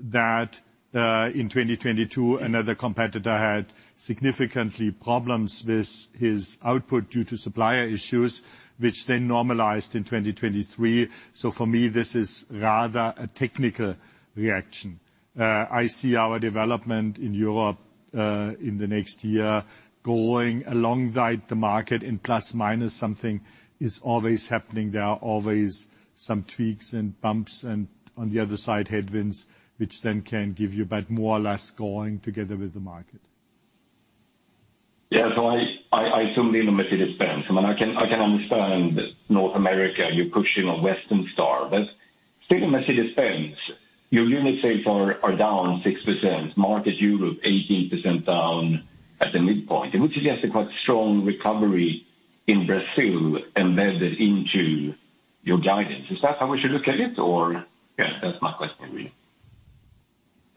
that in 2022, another competitor had significantly problems with his output due to supplier issues, which then normalized in 2023. So for me, this is rather a technical reaction. I see our development in Europe in the next year going alongside the market in plus-minus something is always happening. There are always some tweaks and bumps, and on the other side, headwinds, which then can give you but more or less going together with the market. Yeah, so I assume the limited expense. I mean, I can understand North America you pushing on Western Star. But still, in Mercedes-Benz, your unit sales are down 6%, market Europe 18% down at the midpoint, which suggests a quite strong recovery in Brazil embedded into your guidance. Is that how we should look at it, or? Yeah, that's my question, really.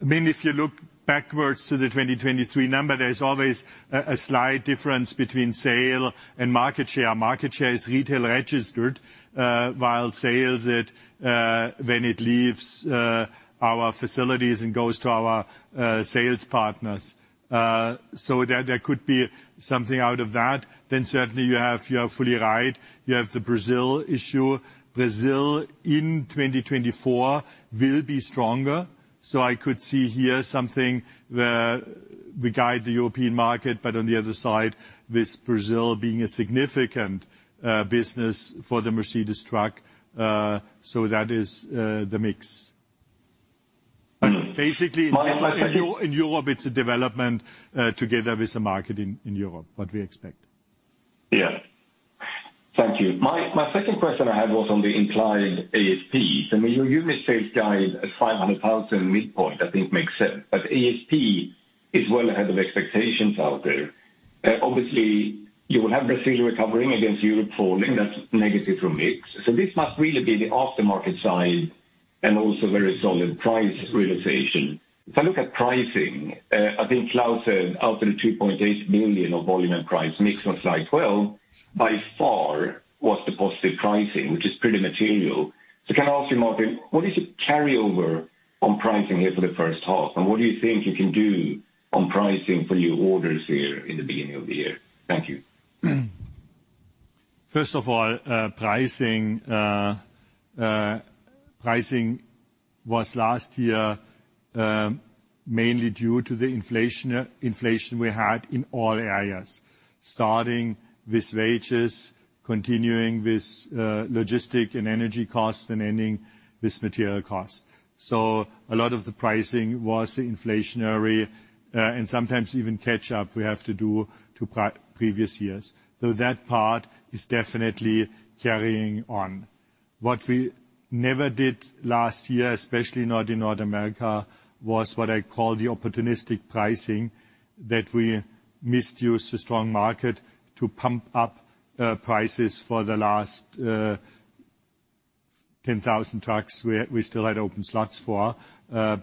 I mean, if you look backwards to the 2023 number, there's always a slight difference between sale and market share. Market share is retail registered, while sales is when it leaves our facilities and goes to our sales partners. So there could be something out of that. Then certainly, you are fully right. You have the Brazil issue. Brazil in 2024 will be stronger. So I could see here something where we guide the European market, but on the other side, with Brazil being a significant business for the Mercedes Truck. So that is the mix. Basically, in Europe, it's a development together with the market in Europe, what we expect. Yeah. Thank you. My second question I had was on the implied ASP. For me, your unit sales guide at 500,000 midpoint, I think, makes sense. But ASP is well ahead of expectations out there. Obviously, you will have Brazil recovering against Europe falling. That's negative for mix. So this must really be the aftermarket side and also very solid price realisation. If I look at pricing, I think Klas said out of the 2.8 billion of volume and price mix on slide 12, by far was the positive pricing, which is pretty material. So can I ask you, Martin, what is your carryover on pricing here for the first half, and what do you think you can do on pricing for new orders here in the beginning of the year? Thank you. First of all, pricing was last year mainly due to the inflation we had in all areas, starting with wages, continuing with logistics and energy costs, and ending with material costs. So a lot of the pricing was inflationary and sometimes even catch-up we have to do to previous years. So that part is definitely carrying on. What we never did last year, especially not in North America, was what I call the opportunistic pricing that we misused the strong market to pump up prices for the last 10,000 trucks we still had open slots for,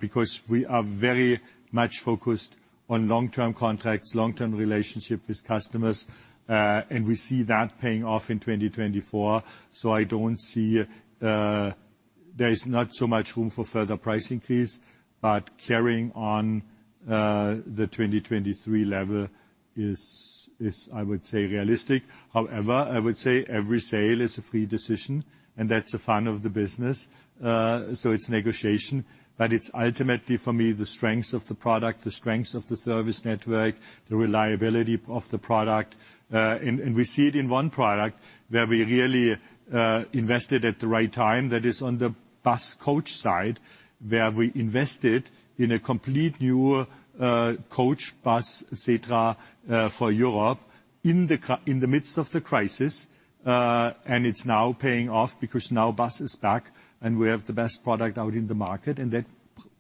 because we are very much focused on long-term contracts, long-term relationships with customers, and we see that paying off in 2024. So I don't see there is not so much room for further price increase, but carrying on the 2023 level is, I would say, realistic. However, I would say every sale is a free decision, and that's the fun of the business. So it's negotiation. But it's ultimately, for me, the strengths of the product, the strengths of the service network, the reliability of the product. And we see it in one product where we really invested at the right time. That is on the bus coach side, where we invested in a complete new coach bus, etc., for Europe in the midst of the crisis, and it's now paying off because now bus is back and we have the best product out in the market. And that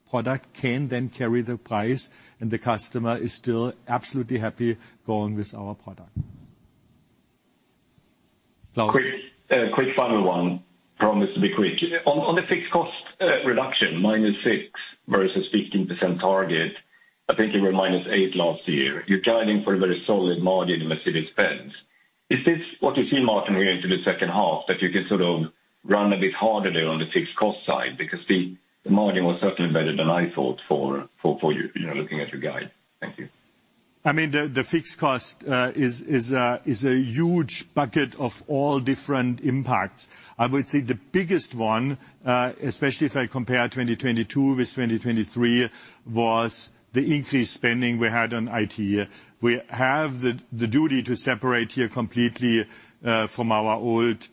product can then carry the price, and the customer is still absolutely happy going with our product. Klas? Quick final one. Promise to be quick. On the fixed cost reduction, -6% versus 15% target, I think it were -8% last year, you're guiding for a very solid margin in Mercedes-Benz. Is this what you see, Martin, here into the second half, that you can sort of run a bit harder there on the fixed cost side? Because the margin was certainly better than I thought for looking at your guide. Thank you. I mean, the fixed cost is a huge bucket of all different impacts. I would say the biggest one, especially if I compare 2022 with 2023, was the increased spending we had on IT. We have the duty to separate here completely from our old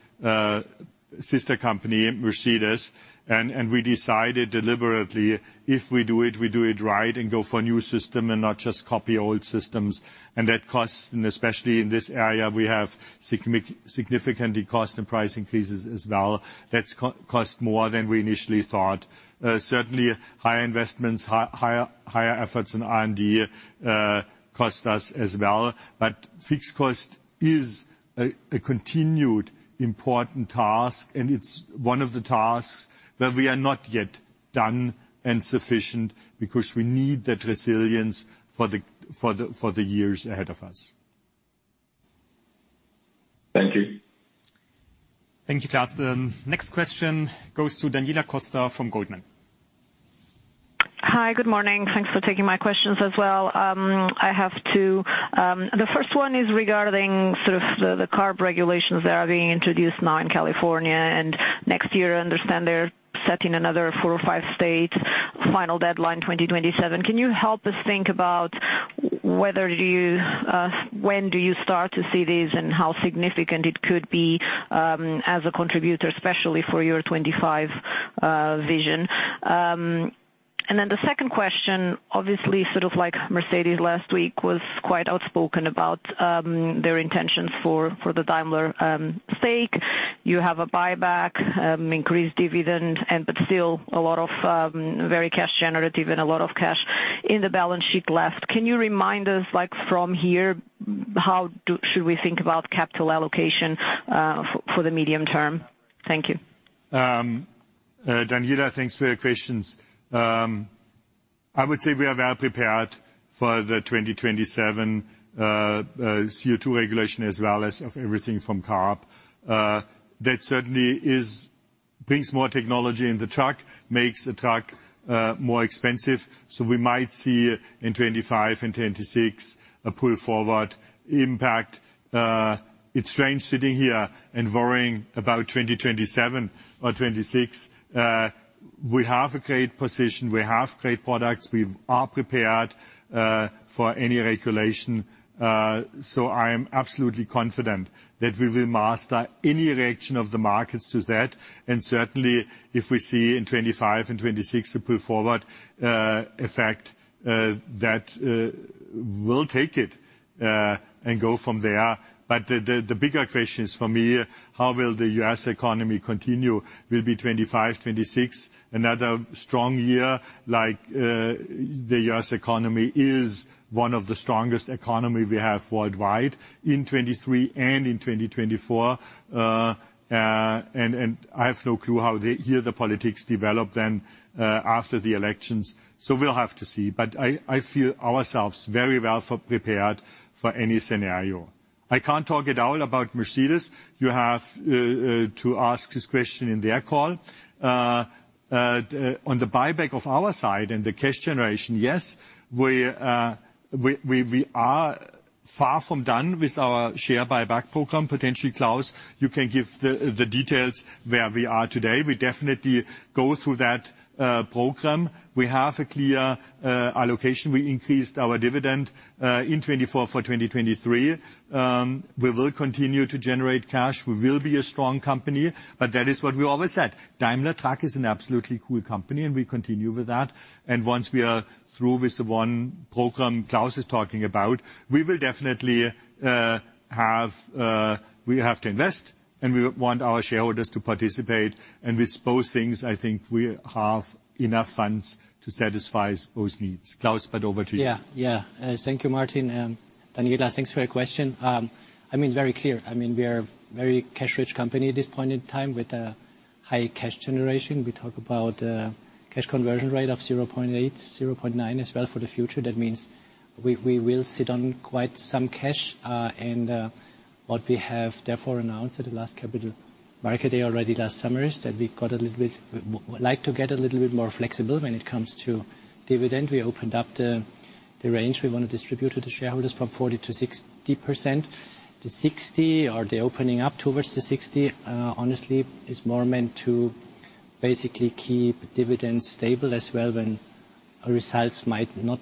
sister company, Mercedes. We decided deliberately, if we do it, we do it right and go for a new system and not just copy old systems. That costs, and especially in this area, we have significantly cost and price increases as well. That cost more than we initially thought. Certainly, higher investments, higher efforts in R&D cost us as well. But fixed cost is a continued important task, and it's one of the tasks where we are not yet done and sufficient because we need that resilience for the years ahead of us. Thank you. Thank you, Klas. The next question goes to Daniela Costa from Goldman. Hi, good morning. Thanks for taking my questions as well. I have two. The first one is regarding sort of the CARB regulations that are being introduced now in California. Next year, I understand they're setting another four or five states final deadline, 2027. Can you help us think about when do you start to see these and how significant it could be as a contributor, especially for your 2025 vision? Then the second question, obviously, sort of like Mercedes last week, was quite outspoken about their intentions for the Daimler stake. You have a buyback, increased dividend, but still a lot of very cash-generative and a lot of cash in the balance sheet left. Can you remind us from here how should we think about capital allocation for the medium term? Thank you. Daniela, thanks for your questions. I would say we are well prepared for the 2027 CO2 regulation as well as everything from CARB. That certainly brings more technology in the truck, makes a truck more expensive. So we might see in 2025 and 2026 a pull forward impact. It's strange sitting here and worrying about 2027 or 2026. We have a great position. We have great products. We are prepared for any regulation. So I am absolutely confident that we will master any reaction of the markets to that. And certainly, if we see in 2025 and 2026 a pull forward effect, that will take it and go from there. But the bigger question is for me, how will the US economy continue? Will 2025, 2026, be another strong year? The US economy is one of the strongest economies we have worldwide in 2023 and in 2024. I have no clue how here the politics develop then after the elections. We'll have to see. I feel ourselves very well prepared for any scenario. I can't talk at all about Mercedes. You have to ask this question in their call. On the buyback of our side and the cash generation, yes, we are far from done with our share buyback program, potentially. Klaus, you can give the details where we are today. We definitely go through that program. We have a clear allocation. We increased our dividend in 2024 for 2023. We will continue to generate cash. We will be a strong company. That is what we always said. Daimler Truck is an absolutely cool company, and we continue with that. Once we are through with the one programme Klaus is talking about, we will definitely have to invest, and we want our shareholders to participate. With both things, I think we have enough funds to satisfy those needs. Klaus, over to you. Yeah, yeah. Thank you, Martin. Daniela, thanks for your question. I mean, very clear. I mean, we are a very cash-rich company at this point in time with a high cash generation. We talk about a cash conversion rate of 0.8, 0.9 as well for the future. That means we will sit on quite some cash. And what we have therefore announced at the last capital market day already last summer is that we'd like to get a little bit more flexible when it comes to dividend. We opened up the range we want to distribute to the shareholders from 40%-60%. The 60 or the opening up towards the 60, honestly, is more meant to basically keep dividends stable as well when results might not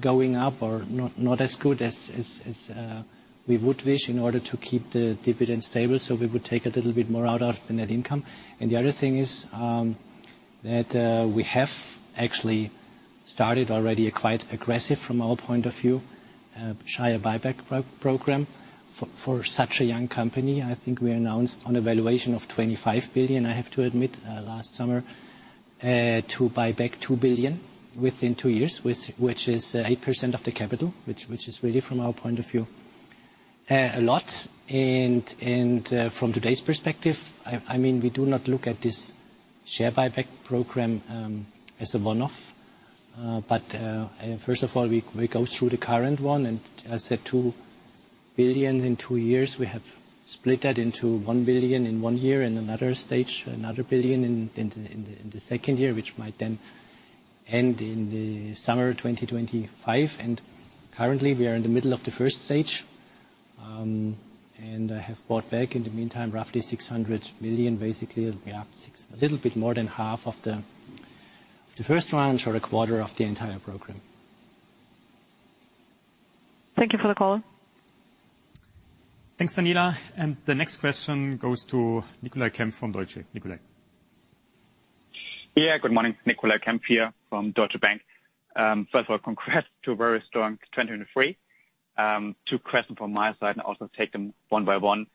going up or not as good as we would wish in order to keep the dividends stable. So we would take a little bit more out of the net income. And the other thing is that we have actually started already a quite aggressive, from our point of view, share buyback program for such a young company. I think we announced on a valuation of 25 billion, I have to admit, last summer, to buy back 2 billion within two years, which is 8% of the capital, which is really, from our point of view, a lot. And from today's perspective, I mean, we do not look at this share buyback program as a one-off. But first of all, we go through the current one. And as I said, 2 billion in two years. We have split that into 1 billion in one year and another stage, another billion in the second year, which might then end in the summer of 2025. Currently, we are in the middle of the first stage. I have bought back in the meantime roughly 600 million, basically a little bit more than half of the first tranche or a quarter of the entire program. Thank you for the call. Thanks, Daniela. And the next question goes to Nicolai Kempf from Deutsche Bank. Nicolai? Yeah, good morning. Nicolai Kempf here from Deutsche Bank. First of all, congrats to a very strong 2023. Two questions from my side and also take them one by one.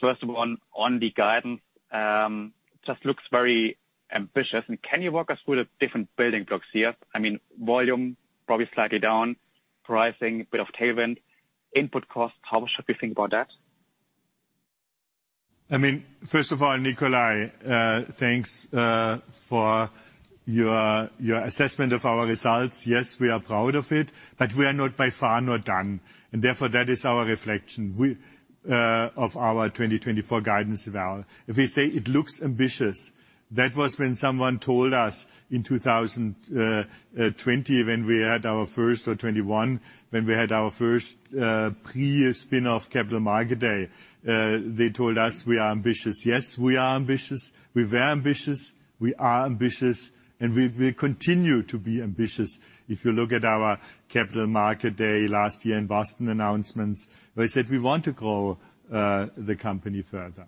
First of all, on the guidance, it just looks very ambitious. Can you walk us through the different building blocks here? I mean, volume, probably slightly down, pricing, a bit of tailwind, input costs. How should we think about that? I mean, first of all, Nicolai, thanks for your assessment of our results. Yes, we are proud of it, but we are not by far not done. And therefore, that is our reflection of our 2024 guidance eval. If we say it looks ambitious, that was when someone told us in 2020, when we had our first or '21, when we had our first pre-spin-off capital market day, they told us we are ambitious. Yes, we are ambitious. We were ambitious. We are ambitious, and we will continue to be ambitious. If you look at our capital market day last year in Boston announcements, where I said we want to grow the company further,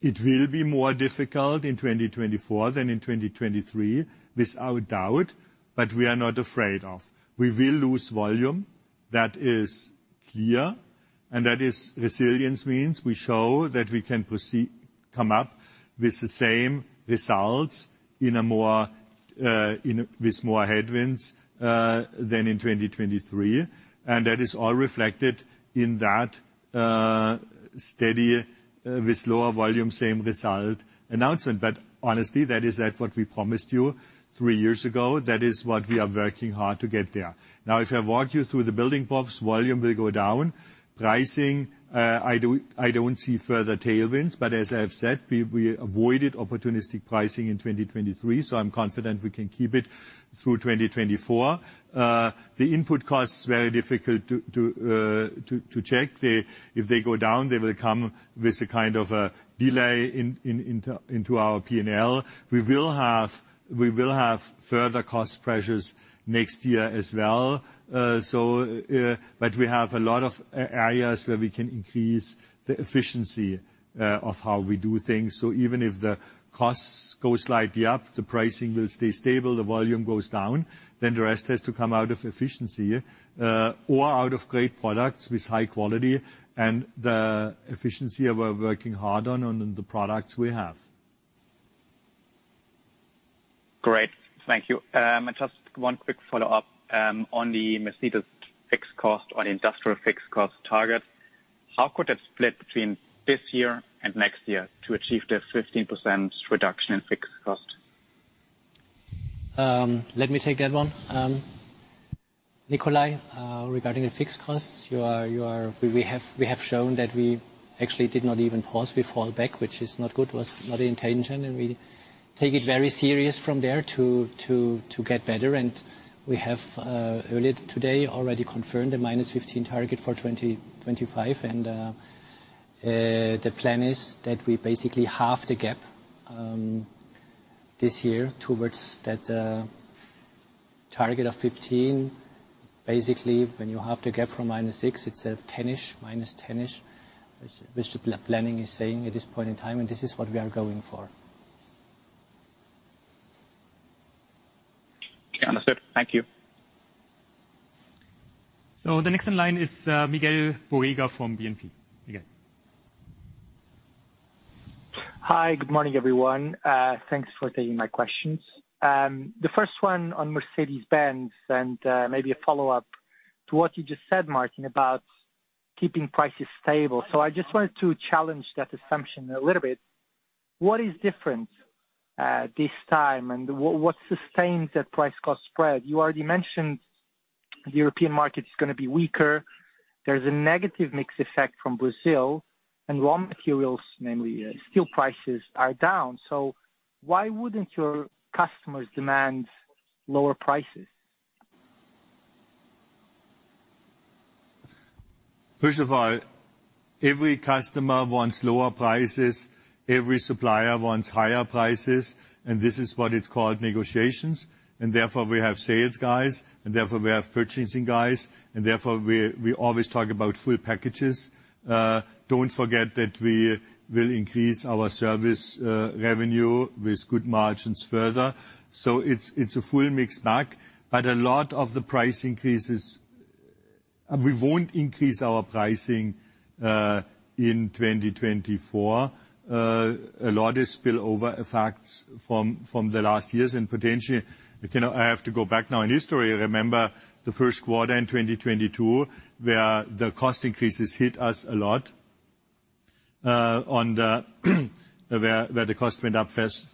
it will be more difficult in 2024 than in 2023, without doubt, but we are not afraid of. We will lose volume. That is clear. And that is resilience means we show that we can come up with the same results with more headwinds than in 2023. And that is all reflected in that steady, with lower volume, same result announcement. But honestly, that is what we promised you three years ago. That is what we are working hard to get there. Now, if I walk you through the building blocks, volume will go down. Pricing, I don't see further tailwinds. But as I have said, we avoided opportunistic pricing in 2023, so I'm confident we can keep it through 2024. The input cost is very difficult to check. If they go down, they will come with a kind of a delay into our P&L. We will have further cost pressures next year as well. But we have a lot of areas where we can increase the efficiency of how we do things. Even if the costs go slightly up, the pricing will stay stable, the volume goes down, then the rest has to come out of efficiency or out of great products with high quality and the efficiency we're working hard on and the products we have. Great. Thank you. And just one quick follow-up. On the Mercedes fixed cost or the industrial fixed cost target, how could it split between this year and next year to achieve the 15% reduction in fixed cost? Let me take that one. Nicolai, regarding the fixed costs, we have shown that we actually did not even pause. We fall back, which is not good. It was not the intention. We take it very serious from there to get better. We have earlier today already confirmed the -15 target for 2025. The plan is that we basically halve the gap this year towards that target of 15. Basically, when you halve the gap from -6, it's a 10-ish, -10-ish, which the planning is saying at this point in time. This is what we are going for. Understood. Thank you. The next in line is Miguel Borrega from BNP. Again. Hi, good morning, everyone. Thanks for taking my questions. The first one on Mercedes-Benz and maybe a follow-up to what you just said, Martin, about keeping prices stable. So I just wanted to challenge that assumption a little bit. What is different this time, and what sustains that price-cost spread? You already mentioned the European market is going to be weaker. There's a negative mix effect from Brazil. And raw materials, namely steel prices, are down. So why wouldn't your customers demand lower prices? First of all, every customer wants lower prices. Every supplier wants higher prices. And this is what it's called negotiations. And therefore, we have sales guys. And therefore, we have purchasing guys. And therefore, we always talk about full packages. Don't forget that we will increase our service revenue with good margins further. So it's a full mixed bag. But a lot of the price increases we won't increase our pricing in 2024. A lot is spillover effects from the last years. And potentially, I have to go back now in history. Remember the first quarter in 2022 where the cost increases hit us a lot where the cost went up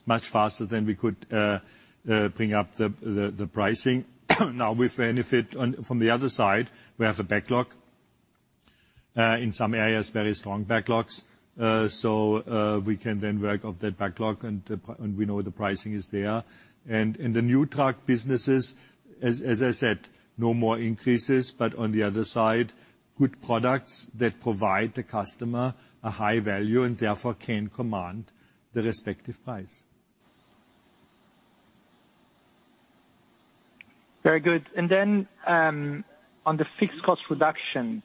much faster than we could bring up the pricing. Now, with benefit from the other side, we have a backlog in some areas, very strong backlogs. We can then work off that backlog, and we know the pricing is there. The new truck businesses, as I said, no more increases. On the other side, good products that provide the customer a high value and therefore can command the respective price. Very good. Then on the fixed cost reduction,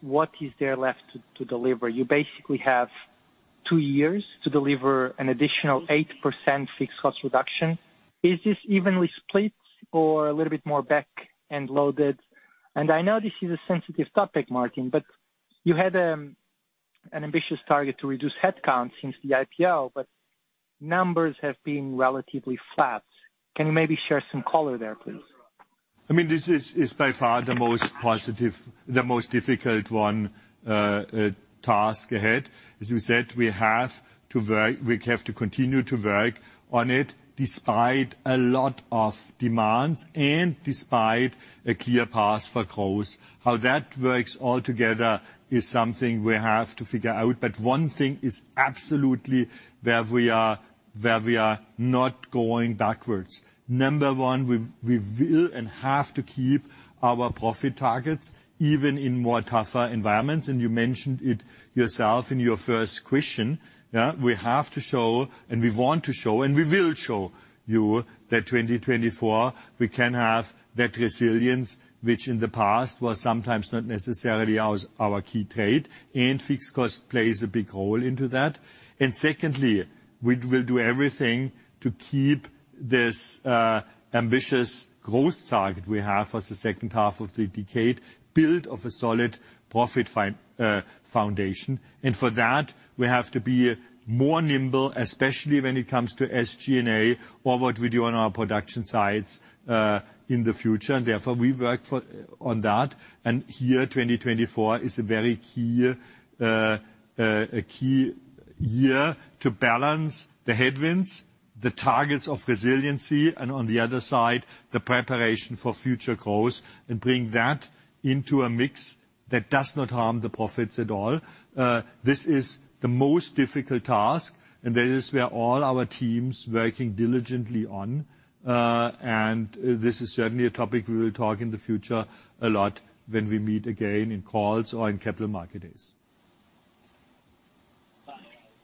what is there left to deliver? You basically have two years to deliver an additional 8% fixed cost reduction. Is this evenly split or a little bit more back and loaded? I know this is a sensitive topic, Martin, but you had an ambitious target to reduce headcount since the IPO, but numbers have been relatively flat. Can you maybe share some color there, please? I mean, this is by far the most positive, the most difficult one task ahead. As you said, we have to continue to work on it despite a lot of demands and despite a clear pass for growth. How that works altogether is something we have to figure out. But one thing is absolutely where we are not going backwards. Number one, we will and have to keep our profit targets even in more tougher environments. And you mentioned it yourself in your first question. We have to show, and we want to show, and we will show you that 2024, we can have that resilience, which in the past was sometimes not necessarily our key trade. And fixed cost plays a big role into that. And secondly, we will do everything to keep this ambitious growth target we have for the second half of the decade built off a solid profit foundation. And for that, we have to be more nimble, especially when it comes to SG&A or what we do on our production sites in the future. And therefore, we work on that. And here, 2024 is a very key year to balance the headwinds, the targets of resiliency, and on the other side, the preparation for future growth and bring that into a mix that does not harm the profits at all. This is the most difficult task, and that is where all our teams are working diligently on. And this is certainly a topic we will talk in the future a lot when we meet again in calls or in capital market days.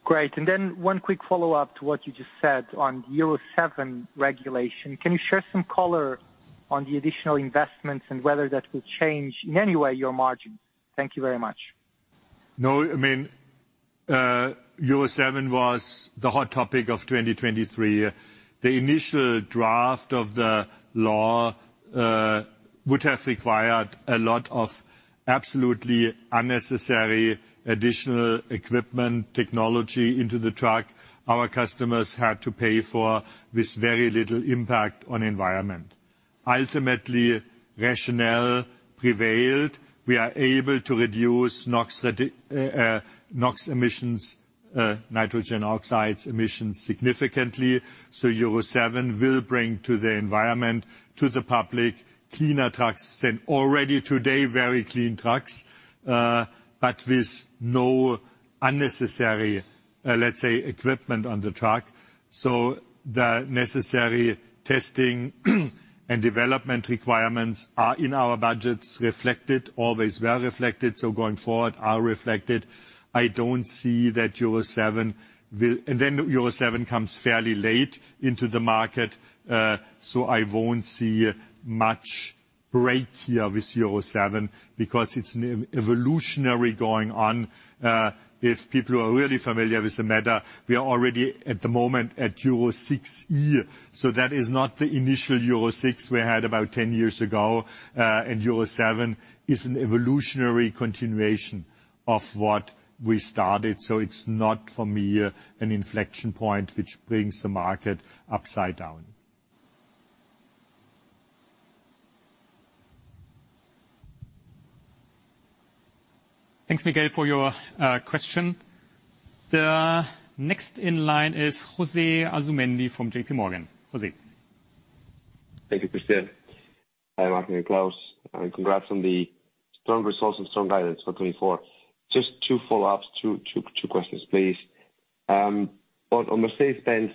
Great. One quick follow-up to what you just said on Euro 7 regulation. Can you share some color on the additional investments and whether that will change in any way your margin? Thank you very much. No, I mean, Euro 7 was the hot topic of 2023. The initial draft of the law would have required a lot of absolutely unnecessary additional equipment, technology into the truck our customers had to pay for with very little impact on the environment. Ultimately, rationale prevailed. We are able to reduce NOx emissions, nitrogen oxide emissions, significantly. So Euro 7 will bring to the environment, to the public, cleaner trucks and already today very clean trucks, but with no unnecessary, let's say, equipment on the truck. So the necessary testing and development requirements are in our budgets reflected, always well reflected. So going forward, are reflected. I don't see that Euro 7 will and then Euro 7 comes fairly late into the market, so I won't see much break here with Euro 7 because it's an evolutionary going on. If people are really familiar with the matter, we are already at the moment at Euro 6E. So that is not the initial Euro 6 we had about 10 years ago. And Euro 7 is an evolutionary continuation of what we started. So it's not, for me, an inflection point which brings the market upside down. Thanks, Miguel, for your question. The next in line is José Asumendi from JP Morgan. José. Thank you, Christine. Hi, Martin. And Klaus. Congrats on the strong results and strong guidance for 2024. Just two follow-ups, two questions, please. On Mercedes-Benz,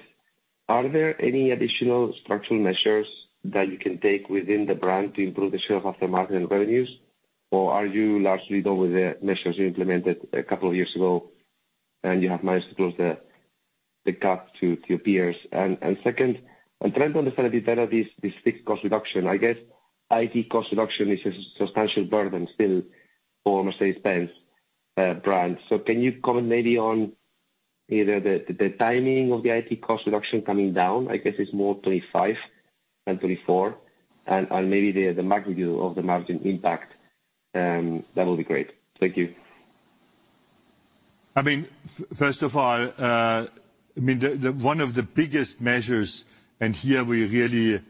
are there any additional structural measures that you can take within the brand to improve the share of aftermarket and revenues? Or are you largely done with the measures you implemented a couple of years ago, and you have managed to close the gap to your peers? And second, I'm trying to understand a bit better this fixed cost reduction. I guess IT cost reduction is a substantial burden still for Mercedes-Benz brand. So can you comment maybe on either the timing of the IT cost reduction coming down? I guess it's more 2025 than 2024. And maybe the magnitude of the margin impact, that would be great. Thank you. I mean, first of all, I mean, one of the biggest measures, and here we really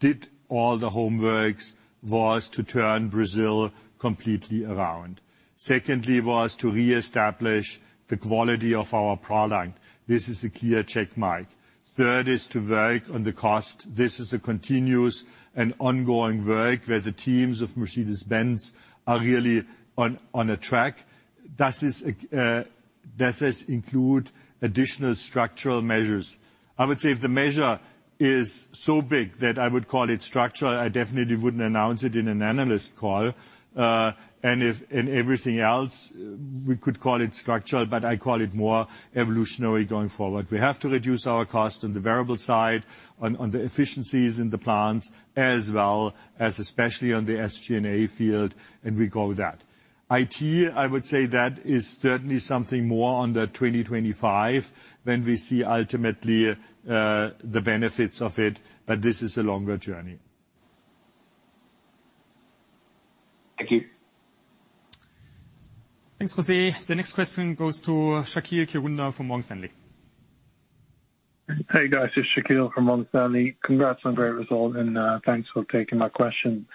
did all the homework, was to turn Brazil completely around. Secondly, was to reestablish the quality of our product. This is a clear check mark. Third is to work on the cost. This is a continuous and ongoing work where the teams of Mercedes-Benz are really on track. That does include additional structural measures. I would say if the measure is so big that I would call it structural, I definitely wouldn't announce it in an analyst call. And everything else, we could call it structural, but I call it more evolutionary going forward. We have to reduce our cost on the variable side, on the efficiencies in the plants as well, especially on the SG&A field, and we go with that. It, I would say that is certainly something more on the 2025 when we see ultimately the benefits of it. But this is a longer journey. Thank you. Thanks, José. The next question goes to Shaqeal Kirunda from Morgan Stanley. Hey, guys. It's Shaqeal from Morgan Stanley. Congrats on the great result, and thanks for taking my question.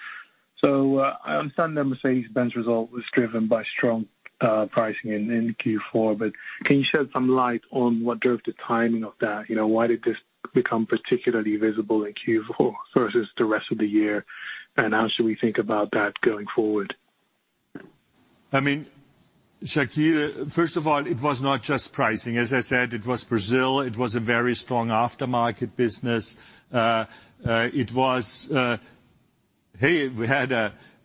So I understand that Mercedes-Benz result was driven by strong pricing in Q4, but can you shed some light on what drove the timing of that? Why did this become particularly visible in Q4 versus the rest of the year? And how should we think about that going forward? I mean, Shaqeal, first of all, it was not just pricing. As I said, it was Brazil. It was a very strong aftermarket business. It was hey, we had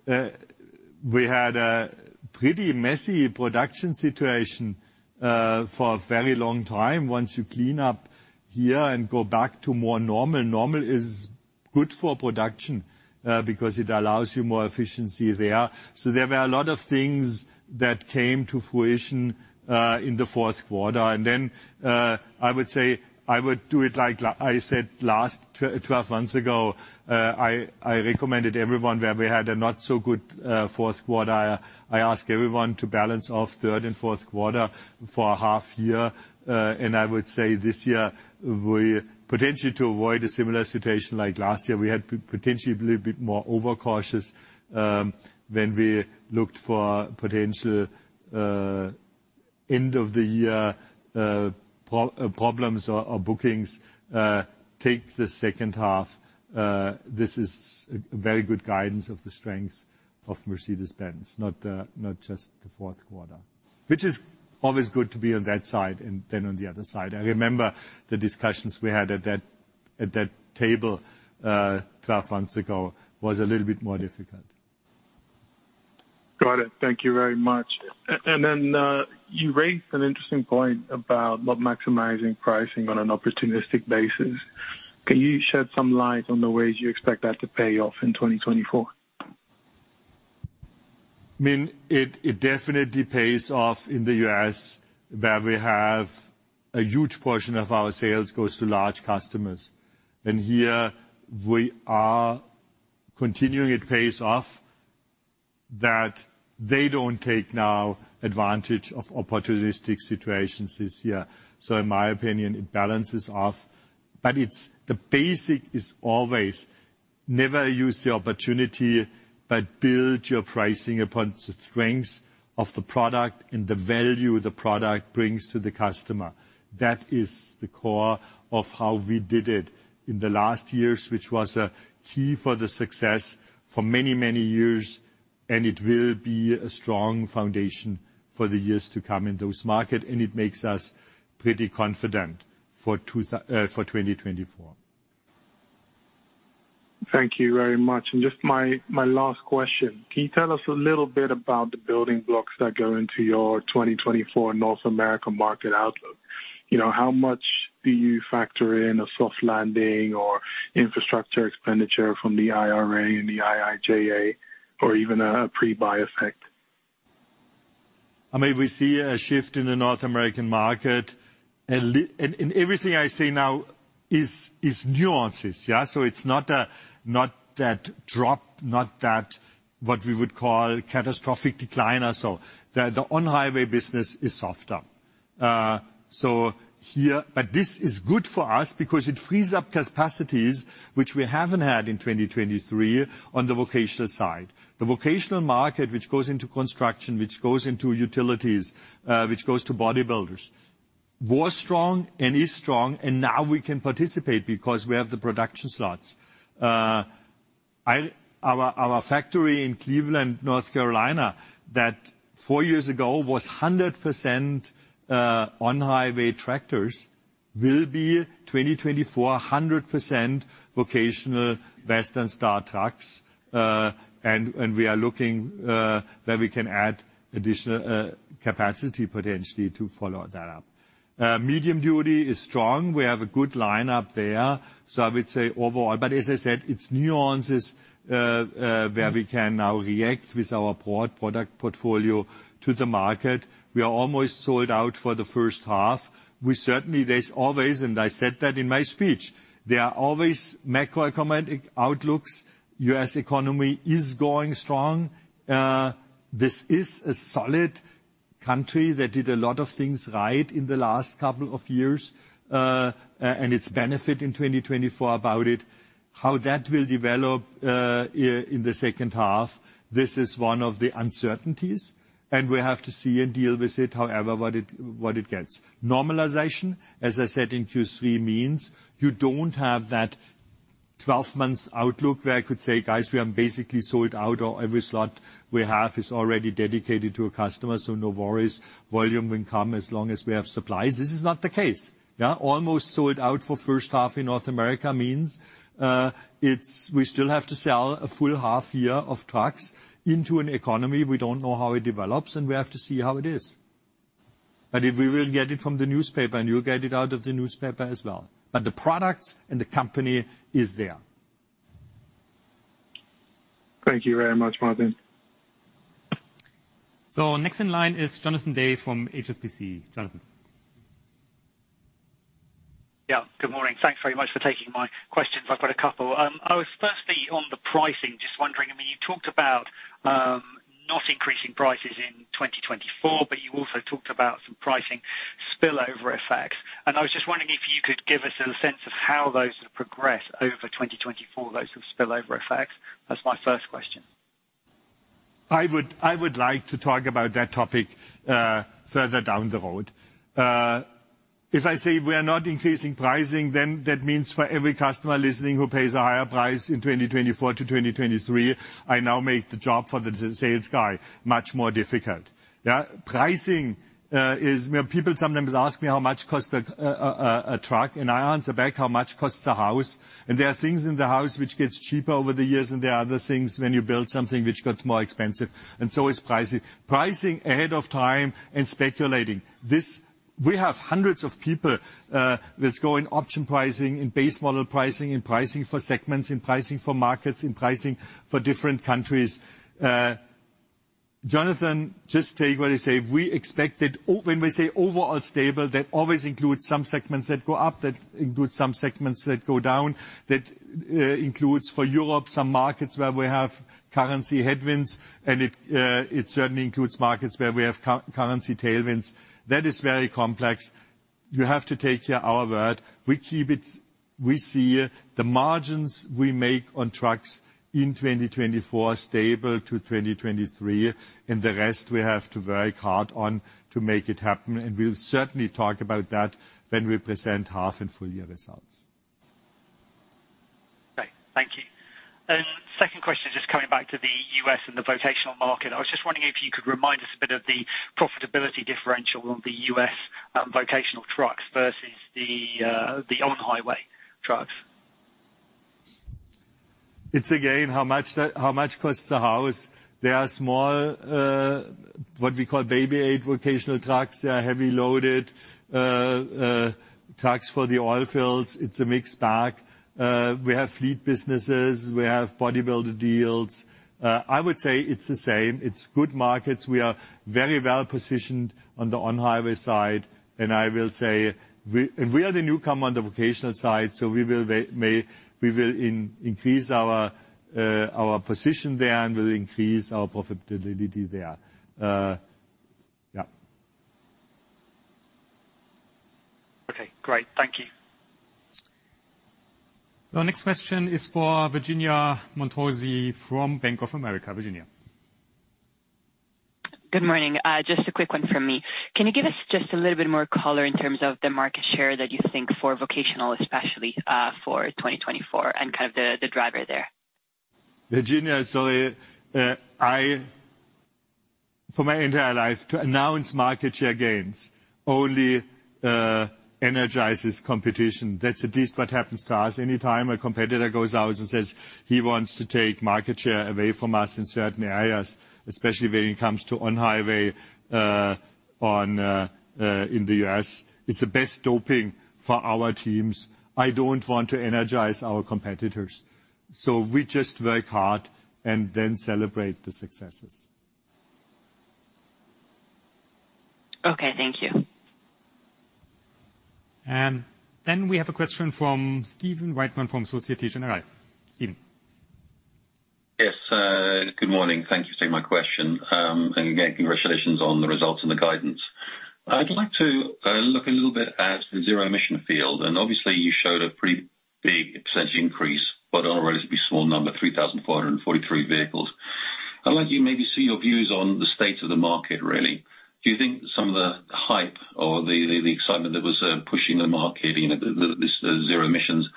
a pretty messy production situation for a very long time. Once you clean up here and go back to more normal, normal is good for production because it allows you more efficiency there. So there were a lot of things that came to fruition in the fourth quarter. And then I would say I would do it like I said last 12 months ago. I recommended everyone where we had a not-so-good fourth quarter. I ask everyone to balance off third and fourth quarter for a half year. And I would say this year, potentially to avoid a similar situation like last year, we had potentially a little bit more overcautious when we looked for potential end-of-the-year problems or bookings. Take the second half. This is very good guidance of the strengths of Mercedes-Benz, not just the fourth quarter, which is always good to be on that side and then on the other side. I remember the discussions we had at that table 12 months ago was a little bit more difficult. Got it. Thank you very much. And then you raised an interesting point about maximizing pricing on an opportunistic basis. Can you shed some light on the ways you expect that to pay off in 2024? I mean, it definitely pays off in the U.S. where we have a huge portion of our sales goes to large customers. And here, we are continuing it pays off that they don't take now advantage of opportunistic situations this year. So in my opinion, it balances off. But the basic is always never use the opportunity, but build your pricing upon the strengths of the product and the value the product brings to the customer. That is the core of how we did it in the last years, which was a key for the success for many, many years. And it will be a strong foundation for the years to come in those markets. And it makes us pretty confident for 2024. Thank you very much. Just my last question. Can you tell us a little bit about the building blocks that go into your 2024 North America market outlook? How much do you factor in a soft landing or infrastructure expenditure from the IRA and the IIJA or even a pre-buy effect? I mean, we see a shift in the North American market. And everything I say now is nuances. So it's not that drop, not that what we would call catastrophic decline or so. The on-highway business is softer. But this is good for us because it frees up capacities, which we haven't had in 2023, on the vocational side. The vocational market, which goes into construction, which goes into utilities, which goes to bodybuilders, was strong and is strong. And now we can participate because we have the production slots. Our factory in Cleveland, North Carolina, that four years ago was 100% on-highway tractors, will be 2024 100% vocational Western Star trucks. And we are looking where we can add additional capacity potentially to follow that up. Medium duty is strong. We have a good lineup there. So I would say overall. But as I said, it's nuances where we can now react with our broad product portfolio to the market. We are almost sold out for the first half. Certainly, there's always and I said that in my speech, there are always macroeconomic outlooks. U.S. economy is going strong. This is a solid country that did a lot of things right in the last couple of years. And it's benefit in 2024 about it. How that will develop in the second half, this is one of the uncertainties. And we have to see and deal with it, however, what it gets. Normalization, as I said in Q3, means you don't have that 12-month outlook where I could say, "Guys, we are basically sold out," or "Every slot we have is already dedicated to a customer, so no worries. Volume will come as long as we have supplies." This is not the case. Almost sold out for first half in North America means we still have to sell a full half year of trucks into an economy we don't know how it develops. And we have to see how it is. But we will get it from the newspaper, and you'll get it out of the newspaper as well. But the products and the company is there. Thank you very much, Martin. Next in line is Jonathan Day from HSBC. Jonathan. Yeah. Good morning. Thanks very much for taking my questions. I've got a couple. I was firstly on the pricing, just wondering. I mean, you talked about not increasing prices in 2024, but you also talked about some pricing spillover effects. And I was just wondering if you could give us a sense of how those would progress over 2024, those sort of spillover effects. That's my first question. I would like to talk about that topic further down the road. If I say we are not increasing pricing, then that means for every customer listening who pays a higher price in 2024 to 2023, I now make the job for the sales guy much more difficult. Pricing is people sometimes ask me how much costs a truck, and I answer back how much costs a house. And there are things in the house which gets cheaper over the years, and there are other things when you build something which gets more expensive. And so is pricing. Pricing ahead of time and speculating. We have hundreds of people that's going option pricing, in base model pricing, in pricing for segments, in pricing for markets, in pricing for different countries. Jonathan, just take what I say. When we say overall stable, that always includes some segments that go up, that includes some segments that go down, that includes for Europe some markets where we have currency headwinds, and it certainly includes markets where we have currency tailwinds. That is very complex. You have to take here our word. We keep it. We see the margins we make on trucks in 2024 stable to 2023. The rest, we have to work hard on to make it happen. We'll certainly talk about that when we present half and full-year results. Great. Thank you. Second question, just coming back to the U.S. and the vocational market. I was just wondering if you could remind us a bit of the profitability differential on the U.S. vocational trucks versus the on-highway trucks? It's again how much costs a house. There are small, what we call baby Actros vocational trucks. They are heavy-loaded trucks for the oil fields. It's a mixed bag. We have fleet businesses. We have bodybuilder deals. I would say it's the same. It's good markets. We are very well positioned on the on-highway side. And I will say and we are the newcomer on the vocational side, so we will increase our position there and will increase our profitability there. Yeah. Okay. Great. Thank you. Next question is for Virginia Montorsi from Bank of America, Virginia. Good morning. Just a quick one from me. Can you give us just a little bit more color in terms of the market share that you think for vocational, especially for 2024, and kind of the driver there? Virginia, sorry. For my entire life, to announce market share gains only energizes competition. That's at least what happens to us. Anytime a competitor goes out and says he wants to take market share away from us in certain areas, especially when it comes to on-highway in the U.S., it's the best doping for our teams. I don't want to energize our competitors. So we just work hard and then celebrate the successes. Okay. Thank you. And then we have a question from Stephen Reitman from Société Générale. Stephen. Yes. Good morning. Thank you for taking my question. And again, congratulations on the results and the guidance. I'd like to look a little bit at the zero-emission field. And obviously, you showed a pretty big percentage increase, but on a relatively small number, 3,443 vehicles. I'd like you maybe to see your views on the state of the market, really. Do you think some of the hype or the excitement that was pushing the market, this zero emissions,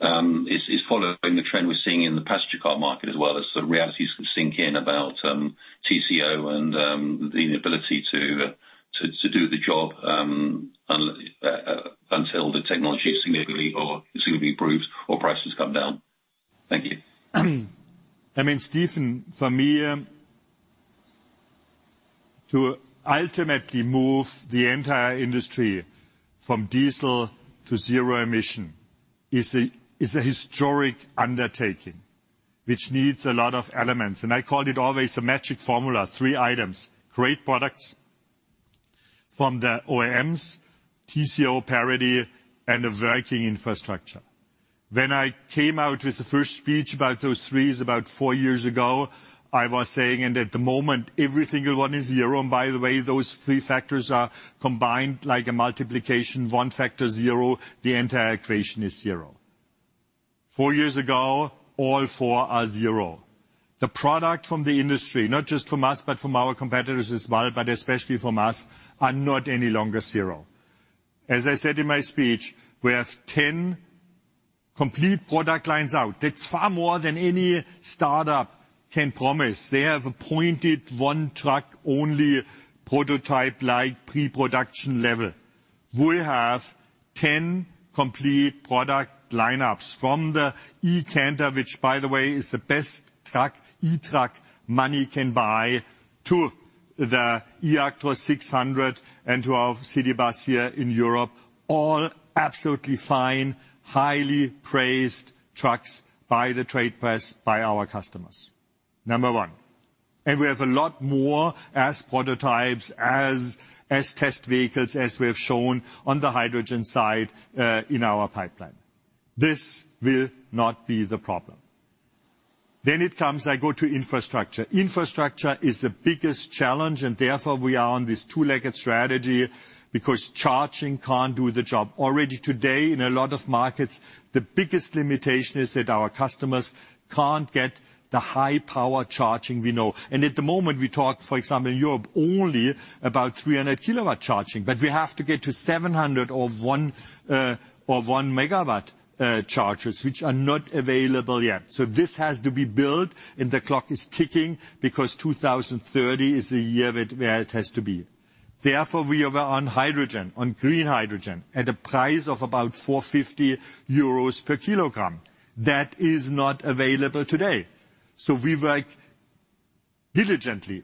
is following the trend we're seeing in the passenger car market as well as the realities that sink in about TCO and the inability to do the job until the technology significantly improves or prices come down? Thank you. I mean, Stephen, for me, to ultimately move the entire industry from diesel to zero-emission is a historic undertaking, which needs a lot of elements. I called it always a magic formula, three items: great products from the OEMs, TCO parity, and a working infrastructure. When I came out with the first speech about those threes about four years ago, I was saying that at the moment, every single one is zero. By the way, those three factors are combined like a multiplication. One factor is zero. The entire equation is zero. Four years ago, all four are zero. The product from the industry, not just from us but from our competitors as well, but especially from us, are not any longer zero. As I said in my speech, we have 10 complete product lines out. That's far more than any startup can promise. They have a pointed one-truck-only prototype-like pre-production level. We'll have 10 complete product lineups from the eCanter, which, by the way, is the best e-truck money can buy, to the eActros 600 and to our city bus here in Europe, all absolutely fine, highly praised trucks by the trade press, by our customers. Number one. We have a lot more as prototypes, as test vehicles, as we have shown on the hydrogen side in our pipeline. This will not be the problem. Then it comes. I go to infrastructure. Infrastructure is the biggest challenge. Therefore, we are on this two-legged strategy because charging can't do the job. Already today, in a lot of markets, the biggest limitation is that our customers can't get the high-power charging we know. At the moment, we talk, for example, in Europe only about 300 kW charging. But we have to get to 700 or one MW chargers, which are not available yet. So this has to be built. And the clock is ticking because 2030 is the year where it has to be. Therefore, we are on hydrogen, on green hydrogen, at a price of about 450 euros per kilogram. That is not available today. So we work diligently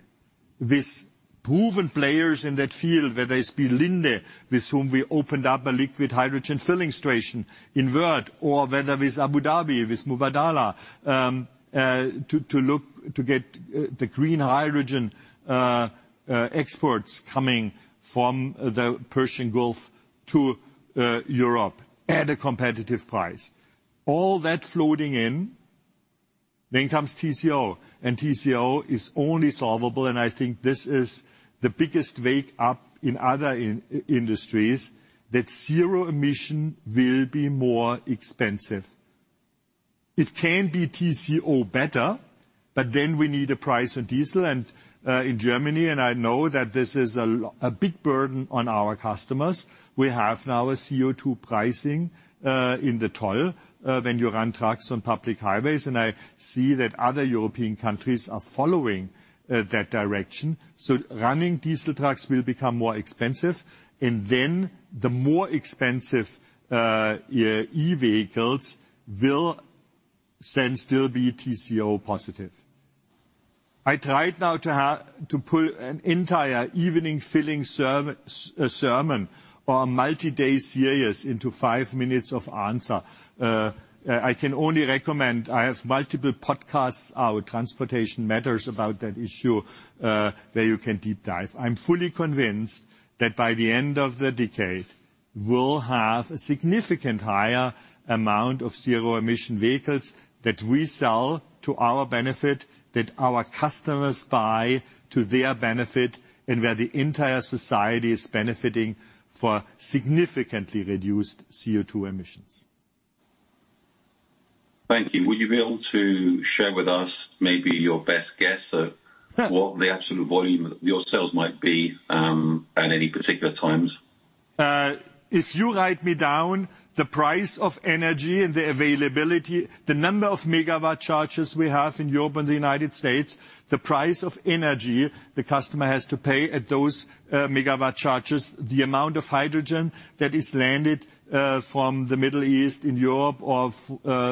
with proven players in that field, whether it's Linde, with whom we opened up a liquid hydrogen filling station, in Wörth, or whether it's Abu Dhabi, with Mubadala, to look to get the green hydrogen exports coming from the Persian Gulf to Europe at a competitive price. All that floating in, then comes TCO. And TCO is only solvable. And I think this is the biggest wake-up in other industries that zero-emission will be more expensive. It can be TCO better, but then we need a price on diesel. And in Germany, and I know that this is a big burden on our customers, we have now a CO2 pricing in the toll when you run trucks on public highways. And I see that other European countries are following that direction. So running diesel trucks will become more expensive. And then the more expensive e-vehicles will then still be TCO-positive. I tried now to pull an entire evening filling sermon or a multi-day series into five minutes of answer. I can only recommend I have multiple podcasts out, Transportation Matters, about that issue, where you can deep dive. I'm fully convinced that by the end of the decade, we'll have a significantly higher amount of zero-emission vehicles that we sell to our benefit, that our customers buy to their benefit, and where the entire society is benefiting for significantly reduced CO2 emissions. Thank you. Would you be able to share with us maybe your best guess at what the absolute volume of your sales might be at any particular times? If you write me down the price of energy and the availability, the number of megawatt chargers we have in Europe and the United States, the price of energy the customer has to pay at those megawatt charges, the amount of hydrogen that is landed from the Middle East in Europe or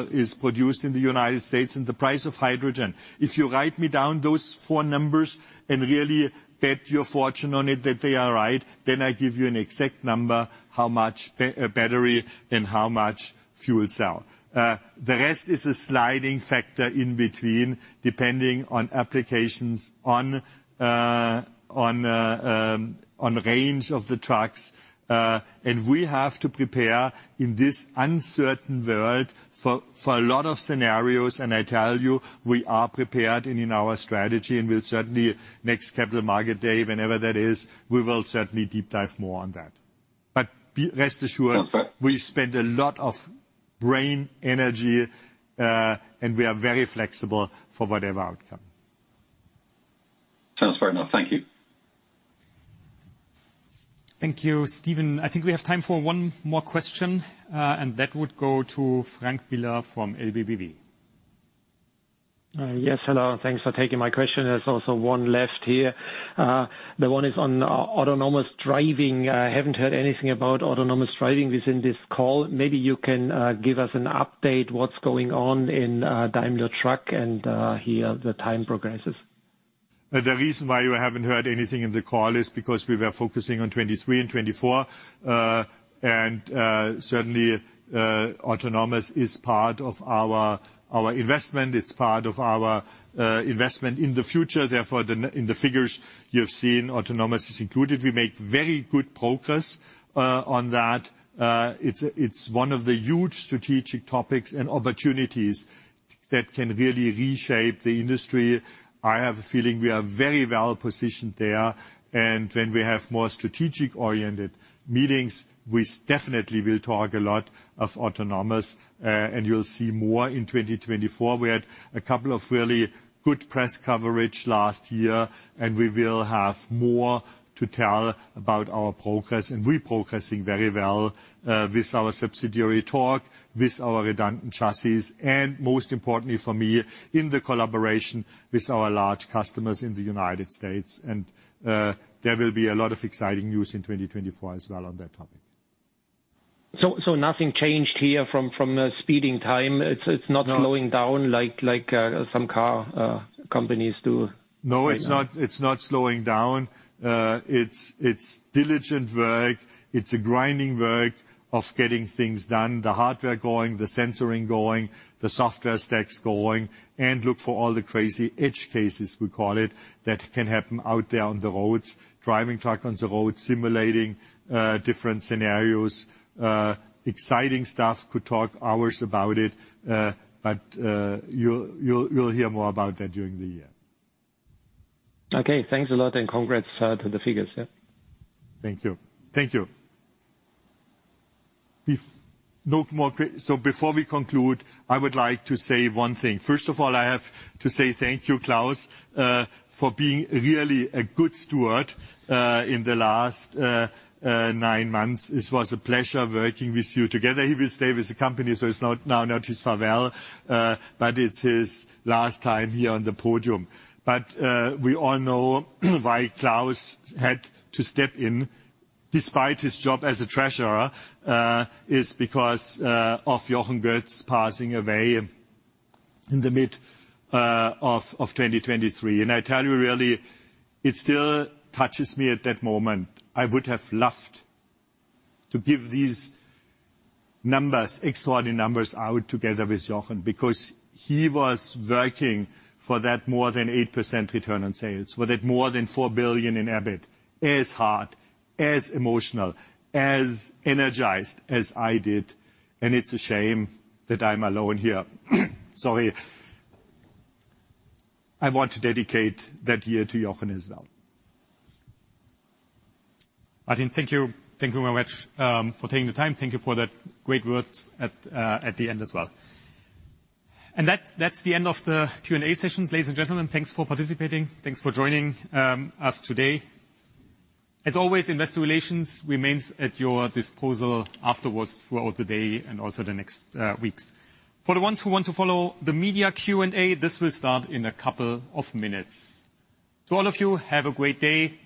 is produced in the United States, and the price of hydrogen, if you write me down those four numbers and really bet your fortune on it that they are right, then I give you an exact number how much battery and how much fuel cell. The rest is a sliding factor in between, depending on applications, on range of the trucks. And we have to prepare in this uncertain world for a lot of scenarios. And I tell you, we are prepared in our strategy. We'll certainly, next Capital Market Day, whenever that is, we will certainly deep dive more on that. Rest assured, we spend a lot of brain energy, and we are very flexible for whatever outcome. Sounds fair enough. Thank you. Thank you, Stephen. I think we have time for one more question. That would go to Frank Biller from LBBW. Yes. Hello. Thanks for taking my question. There's also one left here. The one is on autonomous driving. I haven't heard anything about autonomous driving within this call. Maybe you can give us an update what's going on in Daimler Truck and here the time progresses. The reason why you haven't heard anything in the call is because we were focusing on 2023 and 2024. Certainly, autonomous is part of our investment. It's part of our investment in the future. Therefore, in the figures you have seen, autonomous is included. We make very good progress on that. It's one of the huge strategic topics and opportunities that can really reshape the industry. I have a feeling we are very well positioned there. When we have more strategic-oriented meetings, we definitely will talk a lot about autonomous. And you'll see more in 2024. We had a couple of really good press coverage last year. We will have more to tell about our progress. We're progressing very well with our subsidiary Torc, with our redundant chassis, and most importantly for me, in the collaboration with our large customers in the United States. There will be a lot of exciting news in 2024 as well on that topic. So nothing changed here from speeding time? It's not slowing down like some car companies do? No, it's not slowing down. It's diligent work. It's a grinding work of getting things done, the hardware going, the sensing going, the software stacks going, and look for all the crazy edge cases, we call it, that can happen out there on the roads, driving truck on the road, simulating different scenarios. Exciting stuff. Could talk hours about it. But you'll hear more about that during the year. Okay. Thanks a lot. Congrats to the figures. Yeah. Thank you. Thank you. So before we conclude, I would like to say one thing. First of all, I have to say thank you, Claus, for being really a good steward in the last nine months. It was a pleasure working with you together. He will stay with the company, so it's now not his farewell. But it's his last time here on the podium. But we all know why Claus had to step in, despite his job as a treasurer, is because of Jochen Goetz passing away in mid-2023. And I tell you, really, it still touches me at that moment. I would have loved to give these numbers, extraordinary numbers, out together with Jochen because he was working for that more than 8% return on sales, for that more than 4 billion in EBIT, as hard, as emotional, as energized as I did. It's a shame that I'm alone here. Sorry. I want to dedicate that year to Jochen as well. Martin, thank you. Thank you very much for taking the time. Thank you for that great words at the end as well. That's the end of the Q&A sessions, ladies and gentlemen. Thanks for participating. Thanks for joining us today. As always, investor relations remains at your disposal afterwards throughout the day and also the next weeks. For the ones who want to follow the media Q&A, this will start in a couple of minutes. To all of you, have a great day.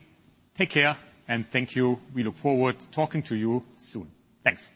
Take care. Thank you. We look forward to talking to you soon. Thanks.